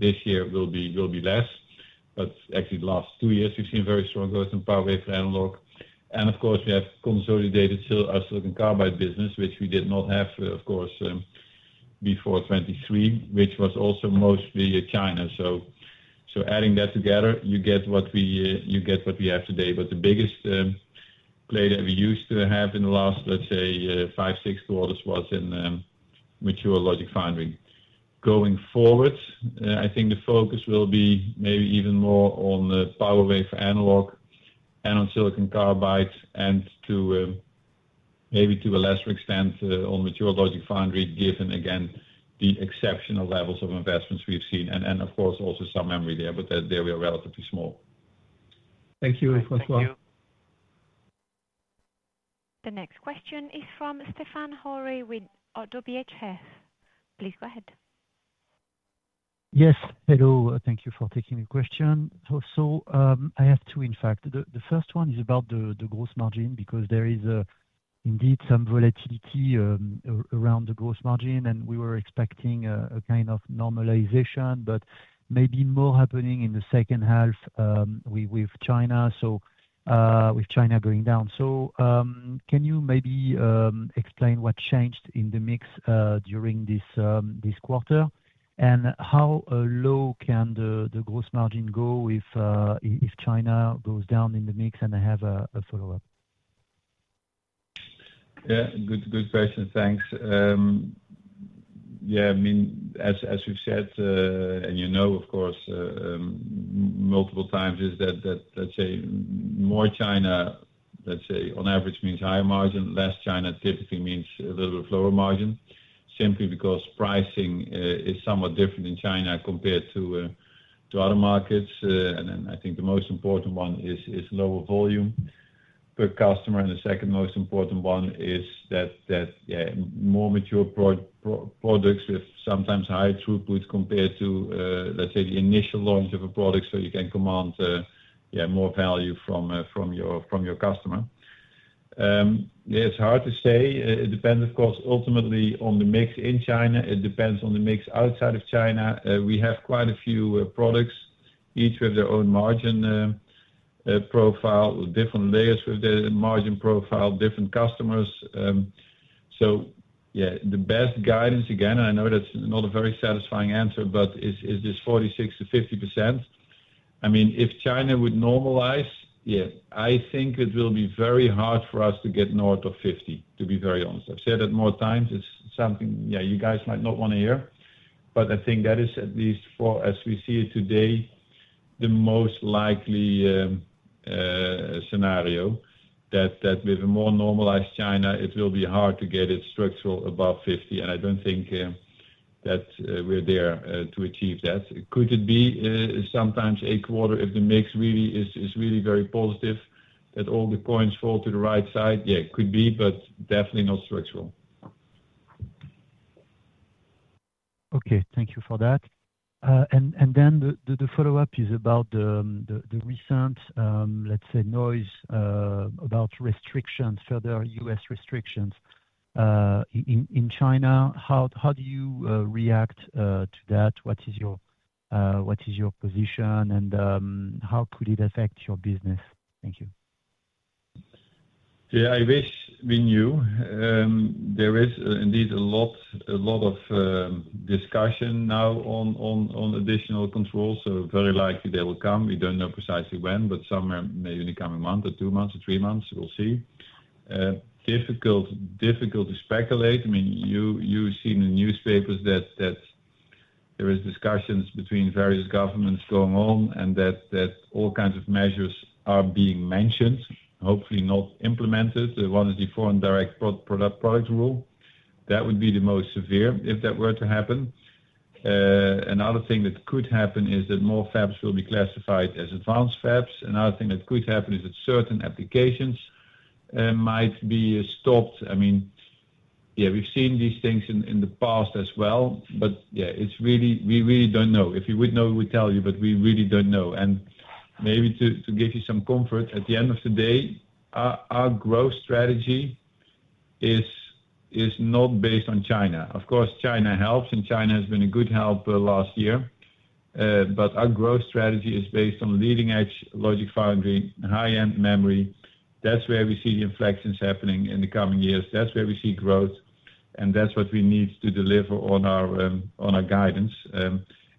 this year will be less. But actually, the last two years we've seen very strong growth in power, wafer, analog. Of course, we have consolidated our silicon carbide business, which we did not have, of course, before 2023, which was also mostly China. So adding that together, you get what we have today. But the biggest play that we used to have in the last, let's say, five, six quarters was in mature logic foundry. Going forward, I think the focus will be maybe even more on the power, wafer, analog and on silicon carbide, and maybe to a lesser extent on mature logic foundry, given again, the exceptional levels of investments we've seen, and of course, also some memory there, but they were relatively small. Thank you, François. The next question is from Stephane Houri with Oddo BHF. Please go ahead. Yes, hello, thank you for taking the question. I have two, in fact. The first one is about the gross margin, because there is indeed some volatility around the gross margin, and we were expecting a kind of normalization, but maybe more happening in the second half, with China going down. Can you maybe explain what changed in the mix during this quarter? And how low can the gross margin go if China goes down in the mix? And I have a follow-up. Yeah, good, good question. Thanks. Yeah, I mean, as we've said, and you know, of course, multiple times, is that, that, let's say more China, let's say, on average, means higher margin, less China typically means a little bit lower margin, simply because pricing is somewhat different in China compared to other markets. And then I think the most important one is lower volume per customer, and the second most important one is that, that, yeah, more mature products with sometimes higher throughput compared to, let's say, the initial launch of a product, so you can command, yeah, more value from your customer. It's hard to say. It depends, of course, ultimately on the mix in China, it depends on the mix outside of China. We have quite a few products, each with their own margin profile, different layers with their margin profile, different customers. So yeah, the best guidance, again, I know that's not a very satisfying answer, but is this 46%-50%? I mean, if China would normalize, yeah, I think it will be very hard for us to get north of 50%, to be very honest. I've said it more times, it's something, yeah, you guys might not want to hear, but I think that is, at least for... as we see it today, the most likely scenario, that with a more normalized China, it will be hard to get it structural above 50%. And I don't think that we're there to achieve that. Could it be, sometimes a quarter, if the mix really is really very positive, that all the points fall to the right side? Yeah, it could be, but definitely not structural. Okay, thank you for that. And then the follow-up is about the recent, let's say, noise about restrictions, further U.S. restrictions, in China. How do you react to that? What is your position? And how could it affect your business? Thank you. Yeah, I wish we knew. There is indeed a lot, a lot of discussion now on additional controls, so very likely they will come. We don't know precisely when, but somewhere maybe in the coming month or two months or three months, we'll see. Difficult, difficult to speculate. I mean, you've seen in the newspapers that there is discussions between various governments going on, and that all kinds of measures are being mentioned, hopefully not implemented. One is the Foreign Direct Product Rule. That would be the most severe if that were to happen. Another thing that could happen is that more fabs will be classified as advanced fabs. Another thing that could happen is that certain applications might be stopped. I mean, yeah, we've seen these things in the past as well, but yeah, it's really... We really don't know. If we would know, we'd tell you, but we really don't know. And maybe to give you some comfort, at the end of the day, our growth strategy is not based on China. Of course, China helps, and China has been a good help last year. But our growth strategy is based on leading-edge logic foundry, high-end memory. That's where we see the inflections happening in the coming years. That's where we see growth, and that's what we need to deliver on our guidance.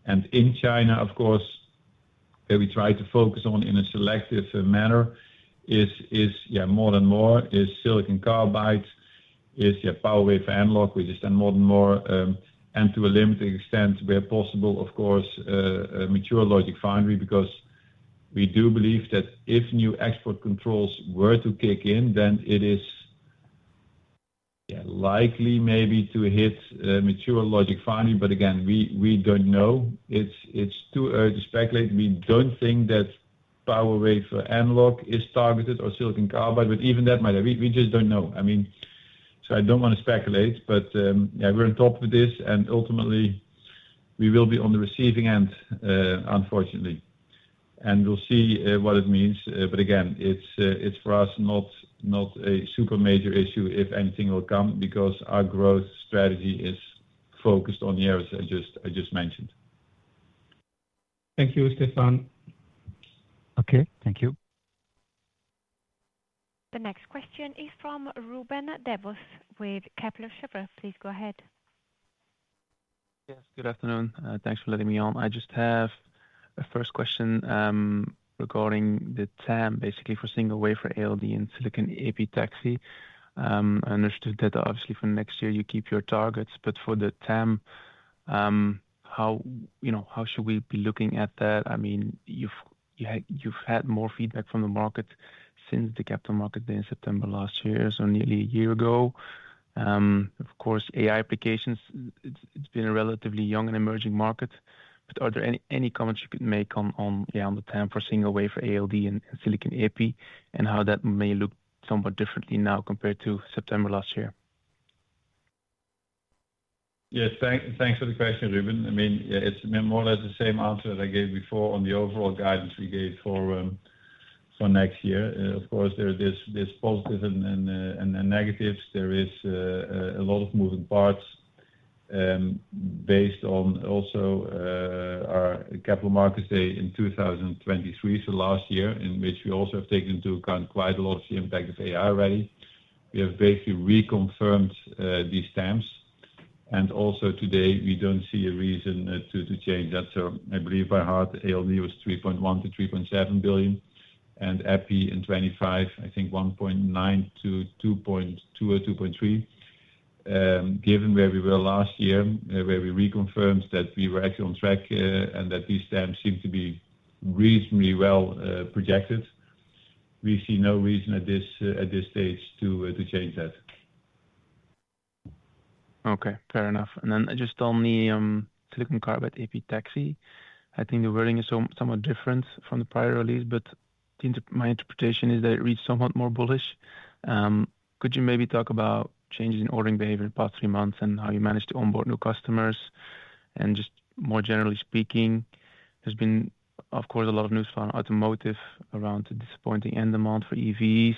And in China, of course, where we try to focus on in a selective manner, is more and more silicon carbide, power, wafer, analog, which is then more and more, and to a limited extent, where possible, of course, mature logic foundry. Because we do believe that if new export controls were to kick in, then it is, yeah, likely maybe to hit mature logic foundry. But again, we don't know. It's too early to speculate. We don't think that power, wafer, analog is targeted or silicon carbide, but even on that matter, we just don't know. I mean, so I don't want to speculate, but yeah, we're on top of this, and ultimately, we will be on the receiving end, unfortunately, and we'll see what it means. But again, it's for us not a super major issue, if anything will come, because our growth strategy is focused on the areas I just mentioned. Thank you, Stéphane. Okay, thank you. The next question is from Ruben Devos with Kepler Cheuvreux. Please go ahead. Yes, good afternoon. Thanks for letting me on. I just have a first question, regarding the TAM, basically for single wafer ALD and silicon epitaxy. I understood that obviously for next year you keep your targets, but for the TAM, how, you know, how should we be looking at that? I mean, you've had more feedback from the market since the Capital Markets Day in September last year, so nearly a year ago. Of course, AI applications, it's been a relatively young and emerging market, but are there any comments you could make on, yeah, on the TAM for single wafer ALD and silicon epitaxy, and how that may look somewhat differently now compared to September last year? Yes, thanks for the question, Ruben. I mean, it's more or less the same answer that I gave before on the overall guidance we gave for next year. Of course, there is this, there's positive and negatives. There is a lot of moving parts, based on also our Capital Markets Day in 2023, so last year, in which we also have taken into account quite a lot of the impact of AI already. We have basically reconfirmed these TAMs, and also today, we don't see a reason to change that. So I believe by heart, ALD was 3.1 billion-3.7 billion, and epi in 2025, I think 1.9 billion-2.2 billion or 2.3 billion. Given where we were last year, where we reconfirmed that we were actually on track, and that these TAMs seem to be reasonably well projected, we see no reason at this stage to change that. Okay, fair enough. And then just on the silicon carbide epitaxy, I think the wording is somewhat different from the prior release, but my interpretation is that it reads somewhat more bullish. Could you maybe talk about changes in ordering behavior in the past three months, and how you managed to onboard new customers? And just more generally speaking, there's been, of course, a lot of news around automotive, around the disappointing end demand for EVs,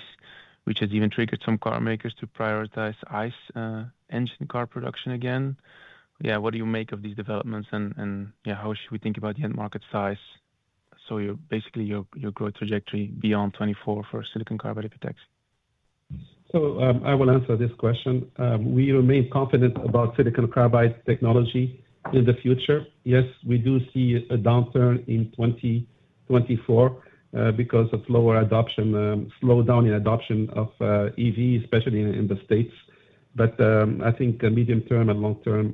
which has even triggered some car makers to prioritize ICE engine car production again. Yeah. What do you make of these developments? And, yeah, how should we think about the end market size? So basically your growth trajectory beyond 2024 for silicon carbide epitaxy. So, I will answer this question. We remain confident about silicon carbide technology in the future. Yes, we do see a downturn in 2024, because of lower adoption, slowdown in adoption of, EV, especially in, in the States. But, I think medium-term and long-term,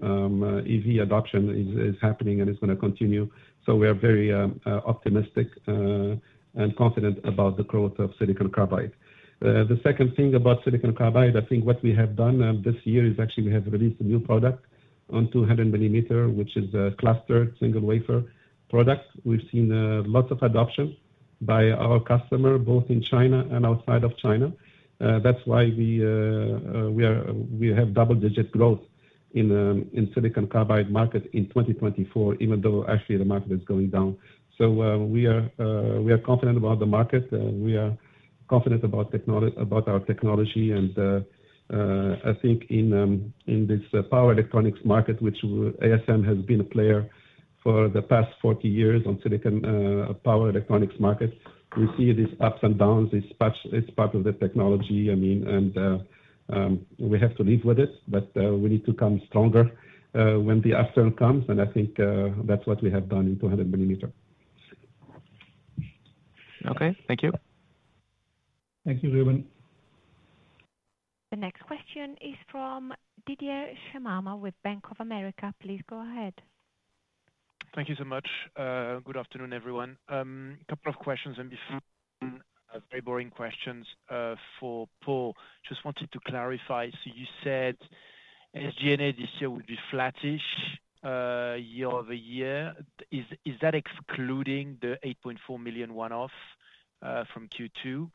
EV adoption is, is happening and is gonna continue. So we are very, optimistic, and confident about the growth of silicon carbide. The second thing about silicon carbide, I think what we have done, this year, is actually we have released a new product on 200 mm, which is a cluster single wafer product. We've seen, lots of adoption by our customer, both in China and outside of China. That's why we have double-digit growth in the silicon carbide market in 2024, even though actually the market is going down. So, we are confident about the market, we are confident about our technology. And, I think in this power electronics market, which ASM has been a player for the past 40 years on silicon power electronics market, we see these ups and downs. It's part of the technology. I mean, and, we have to live with it, but, we need to come stronger, when the upturn comes, and I think, that's what we have done in 200 mm. Okay, thank you. Thank you, Ruben. The next question is from Didier Scemama with Bank of America. Please go ahead. Thank you so much. Good afternoon, everyone. Couple of questions, and before, very boring questions, for Paul, just wanted to clarify. So you said SG&A this year will be flattish, year-over-year. Is, is that excluding the 8.4 million one-off from Q2?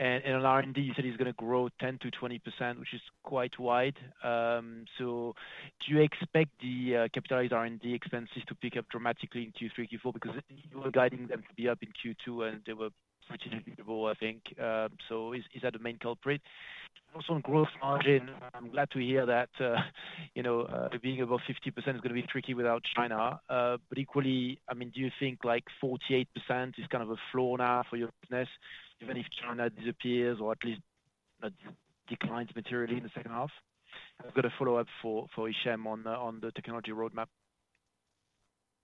And in R&D, you said it's gonna grow 10%-20%, which is quite wide. So do you expect the, capitalized R&D expenses to pick up dramatically in Q3, Q4? Because you were guiding them to be up in Q2, and they were pretty visible, I think. So is, is that the main culprit? Also, on gross margin, I'm glad to hear that, you know, being above 50% is gonna be tricky without China. But equally, I mean, do you think like 48% is kind of a floor now for your business, even if China disappears or at least declines materially in the second half? I've got a follow-up for Hichem on the technology roadmap.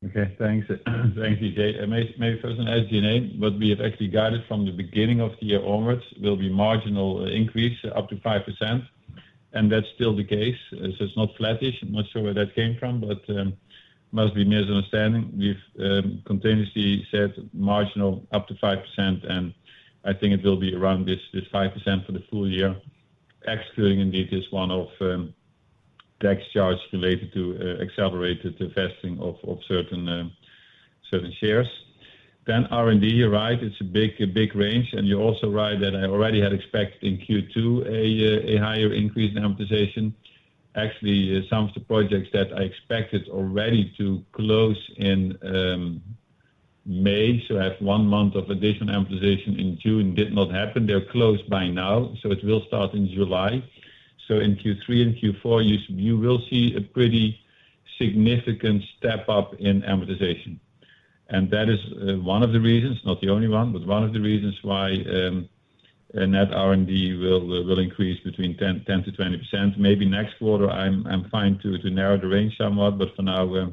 Okay, thanks. Thank you, Didier. And may I first add that what we have actually guided from the beginning of the year onwards will be marginal increase up to 5%, and that's still the case. So it's not flattish. I'm not sure where that came from, but must be a misunderstanding. We've continuously said marginal up to 5%, and I think it will be around this 5% for the full year, excluding indeed this one-off tax charge related to accelerated divesting of certain shares. Then R&D, you're right, it's a big range, and you're also right that I already had expected in Q2 a higher increase in amortization. Actually, some of the projects that I expected already to close in May, so I have 1 month of additional amortization in June, did not happen. They're closed by now, so it will start in July. So in Q3 and Q4, you will see a pretty significant step-up in amortization. And that is one of the reasons, not the only one, but one of the reasons why net R&D will increase between 10%-20%. Maybe next quarter, I'm fine to narrow the range somewhat, but for now,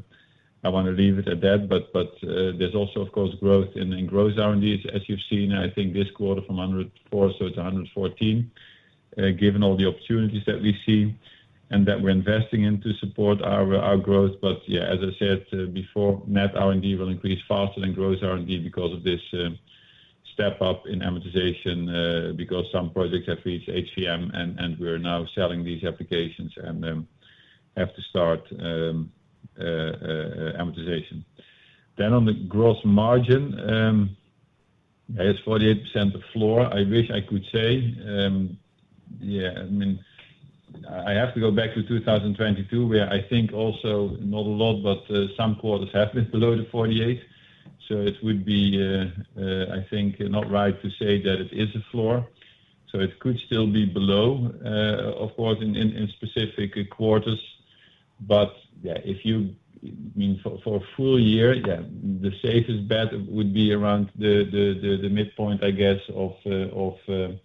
I wanna leave it at that. But there's also, of course, growth in gross R&D, as you've seen, I think this quarter from 104 million to 114 million, given all the opportunities that we see and that we're investing in to support our growth. But yeah, as I said before, net R&D will increase faster than gross R&D because of this step up in amortization, because some projects have reached HVM, and we're now selling these applications and have to start amortization. Then on the gross margin, as 48% the floor, I wish I could say... Yeah, I mean, I have to go back to 2022, where I think also, not a lot, but some quarters have been below the 48%, so it would be, I think, not right to say that it is a floor. So it could still be below, of course, in specific quarters. But, yeah, if you mean for a full year, yeah, the safest bet would be around the midpoint, I guess, of the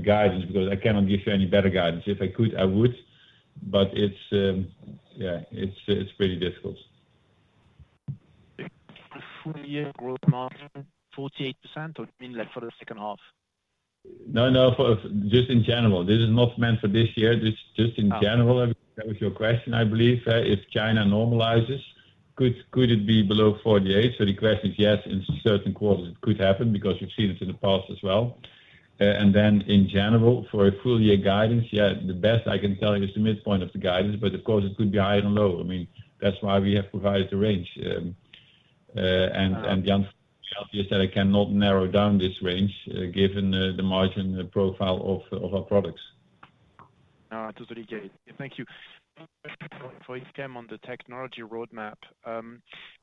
guidance, because I cannot give you any better guidance. If I could, I would. But it's, yeah, it's pretty difficult. The full year growth margin 48% or you mean like for the second half? No, no, for just in general. This is not meant for this year. This is just in general. Ah. That was your question, I believe, if China normalizes, could it be below 48%? So the question is yes, in certain quarters it could happen because we've seen it in the past as well. And then in general, for a full year guidance, yeah, the best I can tell you is the midpoint of the guidance, but of course it could be high and low. I mean, that's why we have provided the range. And the answer is that I cannot narrow down this range, given the margin profile of our products. Ah, totally get it. Thank you. One question for Hichem on the technology roadmap.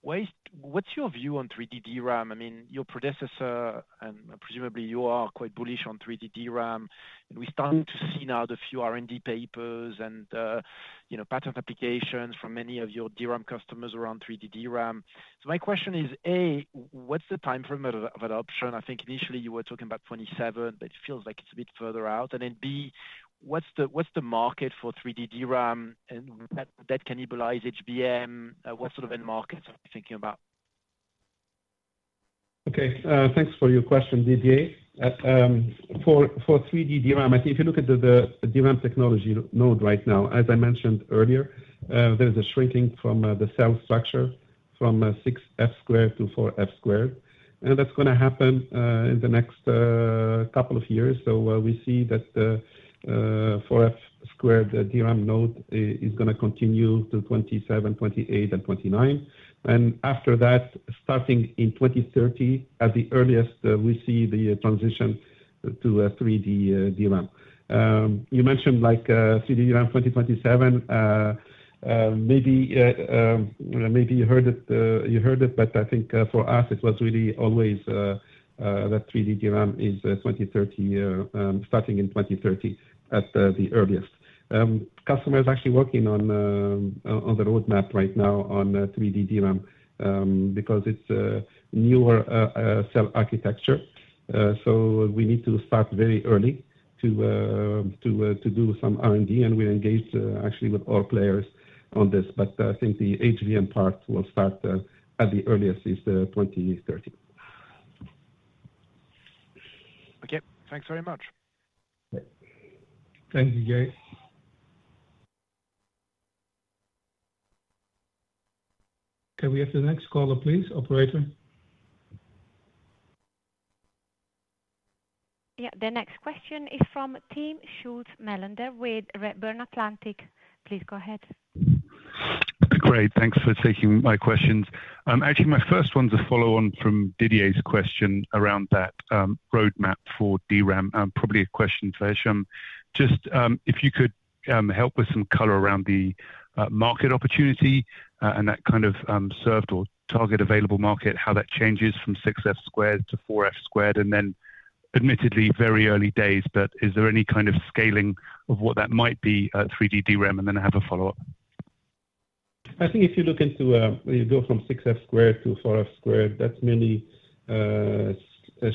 What's your view on 3D DRAM? I mean, your predecessor, and presumably you are quite bullish on 3D DRAM, and we're starting to see now the few R&D papers and, you know, patent applications from many of your DRAM customers around 3D DRAM. So my question is, A, what's the timeframe of adoption? I think initially you were talking about 2027, but it feels like it's a bit further out. And then, B, what's the market for 3D DRAM and that cannibalize HBM? What sort of end markets are we thinking about? Okay, thanks for your question, Didier. For 3D DRAM, I think if you look at the DRAM technology node right now, as I mentioned earlier, there is a shrinking from the cell structure from 6F² to 4F², and that's gonna happen in the next couple of years. So we see that the 4F² DRAM node is gonna continue to 2027, 2028 and 2029. And after that, starting in 2030, at the earliest, we see the transition to a 3D DRAM. You mentioned like 3D DRAM 2027, maybe you heard it, you heard it, but I think for us it was really always that 3D DRAM is 2030, starting in 2030, at the earliest. Customers are actually working on the roadmap right now on 3D DRAM, because it's a newer cell architecture. So we need to start very early to do some R&D, and we engage actually with all players on this, but I think the HVM part will start at the earliest is 2030. Okay. Thanks very much. Thank you, Didier. Can we have the next caller, please, operator? Yeah, the next question is from Timm Schulze-Melander with Redburn Atlantic. Please go ahead. Great, thanks for taking my questions. Actually, my first one is a follow-on from Didier's question around that roadmap for DRAM, and probably a question for Hichem. Just, if you could, help with some color around the market opportunity, and that kind of served or target available market, how that changes from 6F² to 4F², and then admittedly very early days, but is there any kind of scaling of what that might be, 3D DRAM, and then I have a follow-up?... I think if you look into when you go from 6F² to 4F², that's mainly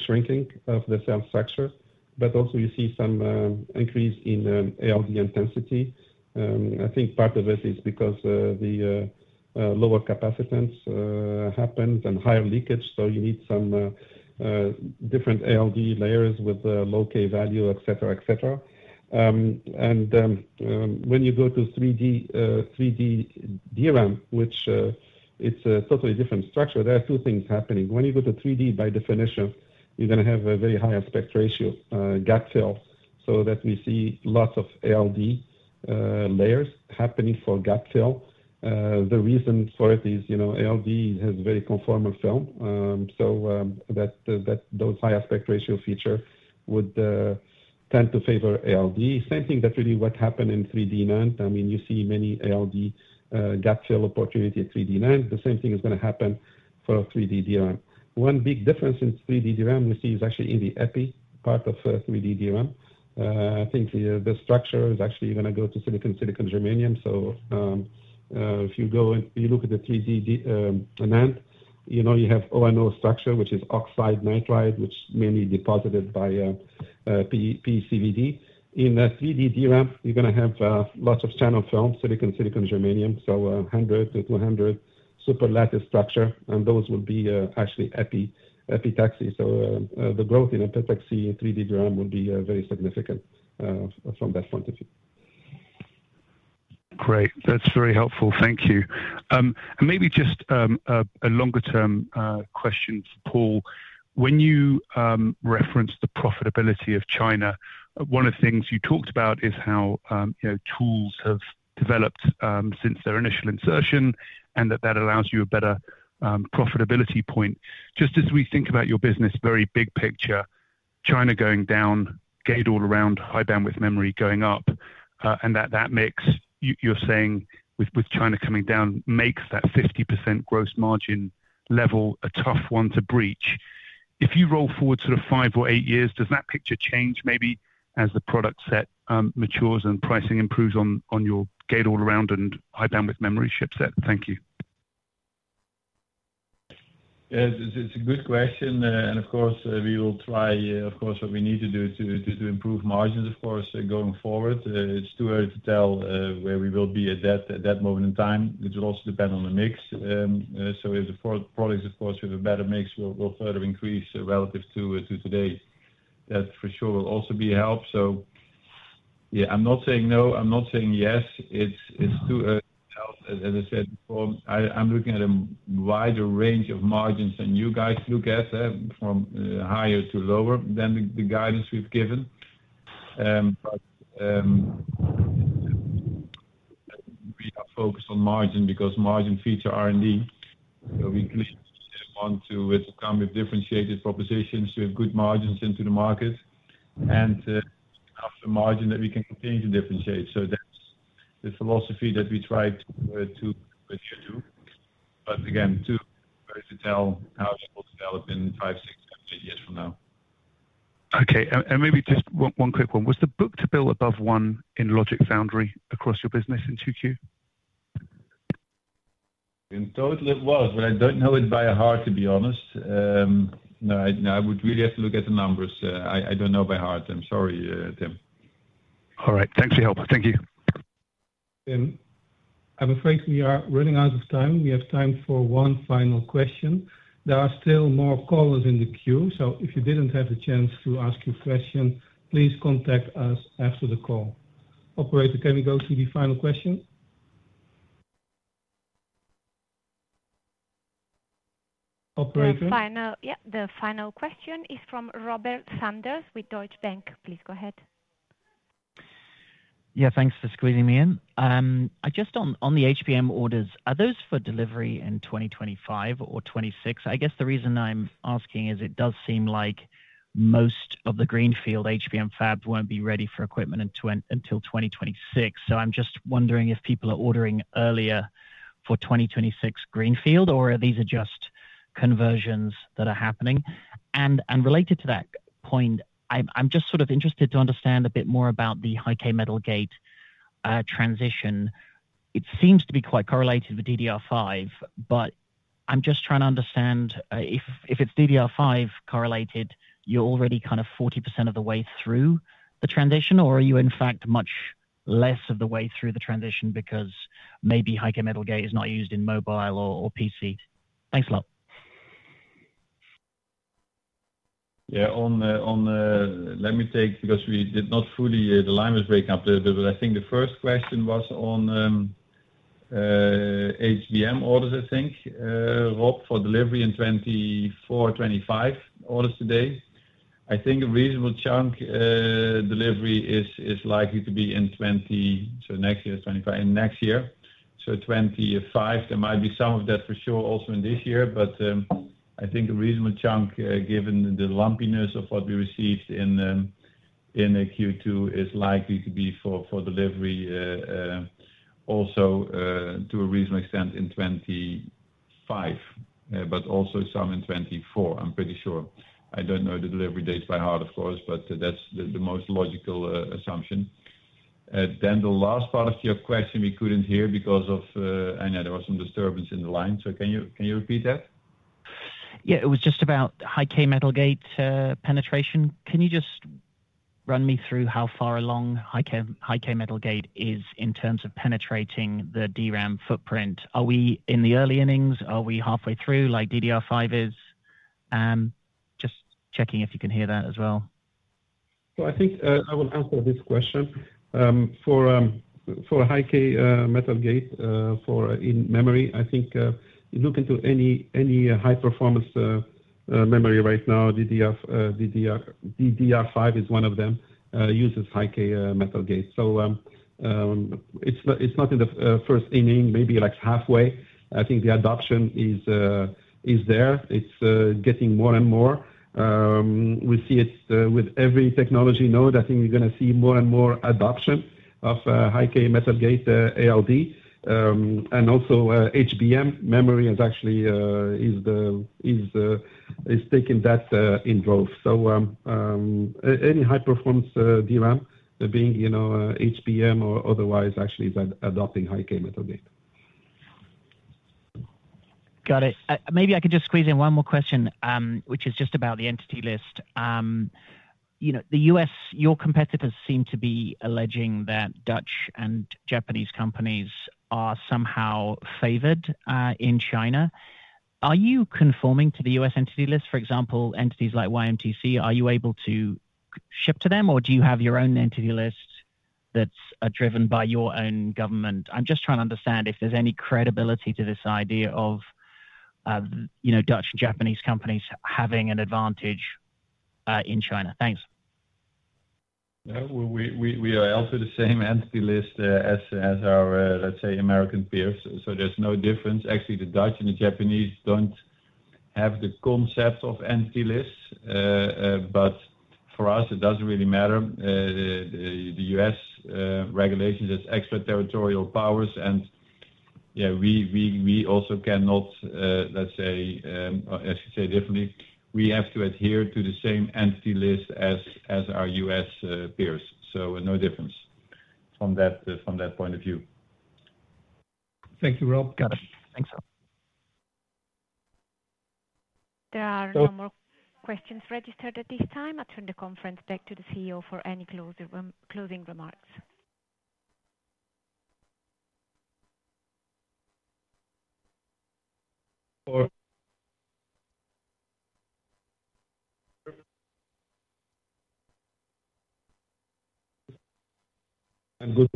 shrinking of the cell structure, but also you see some increase in ALD intensity. I think part of it is because the lower capacitance happens and higher leakage, so you need some different ALD layers with low-k value, et cetera, et cetera, and when you go to 3D 3D DRAM, which it's a totally different structure, there are two things happening. When you go to 3D, by definition, you're gonna have a very high aspect ratio gap fill, so that we see lots of ALD layers happening for gap fill. The reason for it is, you know, ALD has very conformal film. So, that those high aspect ratio feature would tend to favor ALD. Same thing that really what happened in 3D NAND. I mean, you see many ALD gap fill opportunity at 3D NAND. The same thing is gonna happen for 3D DRAM. One big difference in 3D DRAM we see is actually in the epi part of 3D DRAM. I think the structure is actually gonna go to silicon, silicon germanium. So, if you go and you look at the 3D NAND, you know, you have ONO structure, which is oxide nitride, which mainly deposited by PECVD. In 3D DRAM, you're gonna have lots of channel films, silicon, silicon germanium, so 100-200 superlattice structure, and those will be actually epi, epitaxy. So, the growth in epitaxy in 3D DRAM will be very significant from that point of view. Great, that's very helpful. Thank you. And maybe just a longer-term question for Paul. When you referenced the profitability of China, one of the things you talked about is how, you know, tools have developed since their initial insertion, and that that allows you a better profitability point. Just as we think about your business, very big picture, China going down, gate-all-around, high-bandwidth memory going up, and that, that mix, you, you're saying with, with China coming down, makes that 50% gross margin level a tough one to breach. If you roll forward sort of five or eight years, does that picture change maybe as the product set matures and pricing improves on, on your gate-all-around and high-bandwidth memory chipset? Thank you. Yes, it's a good question, and of course, we will try, of course, what we need to do to improve margins, of course, going forward. It's too early to tell where we will be at that moment in time. It will also depend on the mix. So if the products, of course, with a better mix, will further increase relative to today. That for sure will also be a help. So yeah, I'm not saying no, I'm not saying yes. Mm-hmm. It's too early to tell. As I said before, I'm looking at a wider range of margins than you guys look at, from higher to lower than the guidance we've given. But we are focused on margin because margin features R&D. So we clearly want to come with differentiated propositions to have good margins into the market, and have the margin that we can continue to differentiate. So that's the philosophy that we try to pursue. But again, too early to tell how it will develop in five, six, seven, eight years from now. Okay, and maybe just one quick one. Was the book-to-bill above one in Logic Foundry across your business in 2Q? In total, it was, but I don't know it by heart, to be honest. No, I would really have to look at the numbers. I don't know by heart. I'm sorry, Timm. All right. Thanks for your help. Thank you. I'm afraid we are running out of time. We have time for one final question. There are still more callers in the queue, so if you didn't have the chance to ask your question, please contact us after the call. Operator, can we go to the final question? Operator? Yeah, the final question is from Robert Sanders with Deutsche Bank. Please go ahead. Yeah, thanks for squeezing me in. I just on, on the HBM orders, are those for delivery in 2025 or 2026? I guess the reason I'm asking is it does seem like most of the greenfield HBM fab won't be ready for equipment until 2026. So I'm just wondering if people are ordering earlier for 2026 greenfield, or are these just conversions that are happening? And related to that point, I'm just sort of interested to understand a bit more about the high-k metal gate transition. It seems to be quite correlated with DDR5, but I'm just trying to understand if it's DDR5 correlated, you're already kind of 40% of the way through the transition, or are you in fact much less of the way through the transition because maybe high-k metal gate is not used in mobile or PC? Thanks a lot. Yeah, on the. Let me take, because we did not fully, the line was breaking up a little bit. But I think the first question was on, HBM orders, I think, Rob, for delivery in 2024, 2025 orders today. I think a reasonable chunk, delivery is likely to be in 2024, so next year, 2025, in next year, so 2025. There might be some of that for sure also in this year, but, I think a reasonable chunk, given the lumpiness of what we received in, in Q2, is likely to be for delivery, also, to a reasonable extent in 2025, but also some in 2024, I'm pretty sure. I don't know the delivery dates by heart, of course, but that's the most logical assumption. Then the last part of your question, we couldn't hear because of, I know there was some disturbance in the line. So can you, can you repeat that? Yeah, it was just about high-k metal gate penetration. Can you just run me through how far along high-k metal gate is in terms of penetrating the DRAM footprint? Are we in the early innings? Are we halfway through, like DDR5 is? Just checking if you can hear that as well. So I think I will answer this question. For high-k metal gate for in memory, I think you look into any high-performance memory right now, DDR5 is one of them uses high-k metal gate. So it's not in the first inning, maybe like halfway. I think the adoption is there. It's getting more and more. We see it with every technology node. I think we're gonna see more and more adoption of high-k metal gate ALD. And also HBM memory is actually taking that involved. So any high-performance DRAM being, you know, HBM or otherwise, actually is adopting high-k metal gate. Got it. Maybe I could just squeeze in one more question, which is just about the Entity List. You know, the U.S., your competitors seem to be alleging that Dutch and Japanese companies are somehow favored in China. Are you conforming to the U.S. Entity List, for example, entities like YMTC? Are you able to ship to them, or do you have your own Entity List that's driven by your own government? I'm just trying to understand if there's any credibility to this idea of, you know, Dutch and Japanese companies having an advantage in China. Thanks. Yeah. We are also the same Entity List as our, let's say, American peers, so there's no difference. Actually, the Dutch and the Japanese don't have the concept of Entity Lists, but for us, it doesn't really matter. The U.S. regulations has extraterritorial powers, and, yeah, we also cannot, let's say, as you say differently, we have to adhere to the same Entity List as our U.S. peers, so no difference from that point of view. Thank you, Rob. Got it. Thanks. There are no more questions registered at this time. I turn the conference back to the CEO for any closing remarks. I'm good.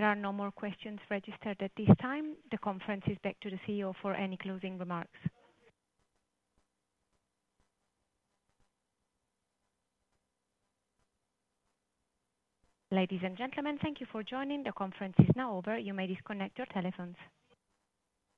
There are no more questions registered at this time. The conference is back to the CEO for any closing remarks. Ladies and gentlemen, thank you for joining. The conference is now over. You may disconnect your telephones.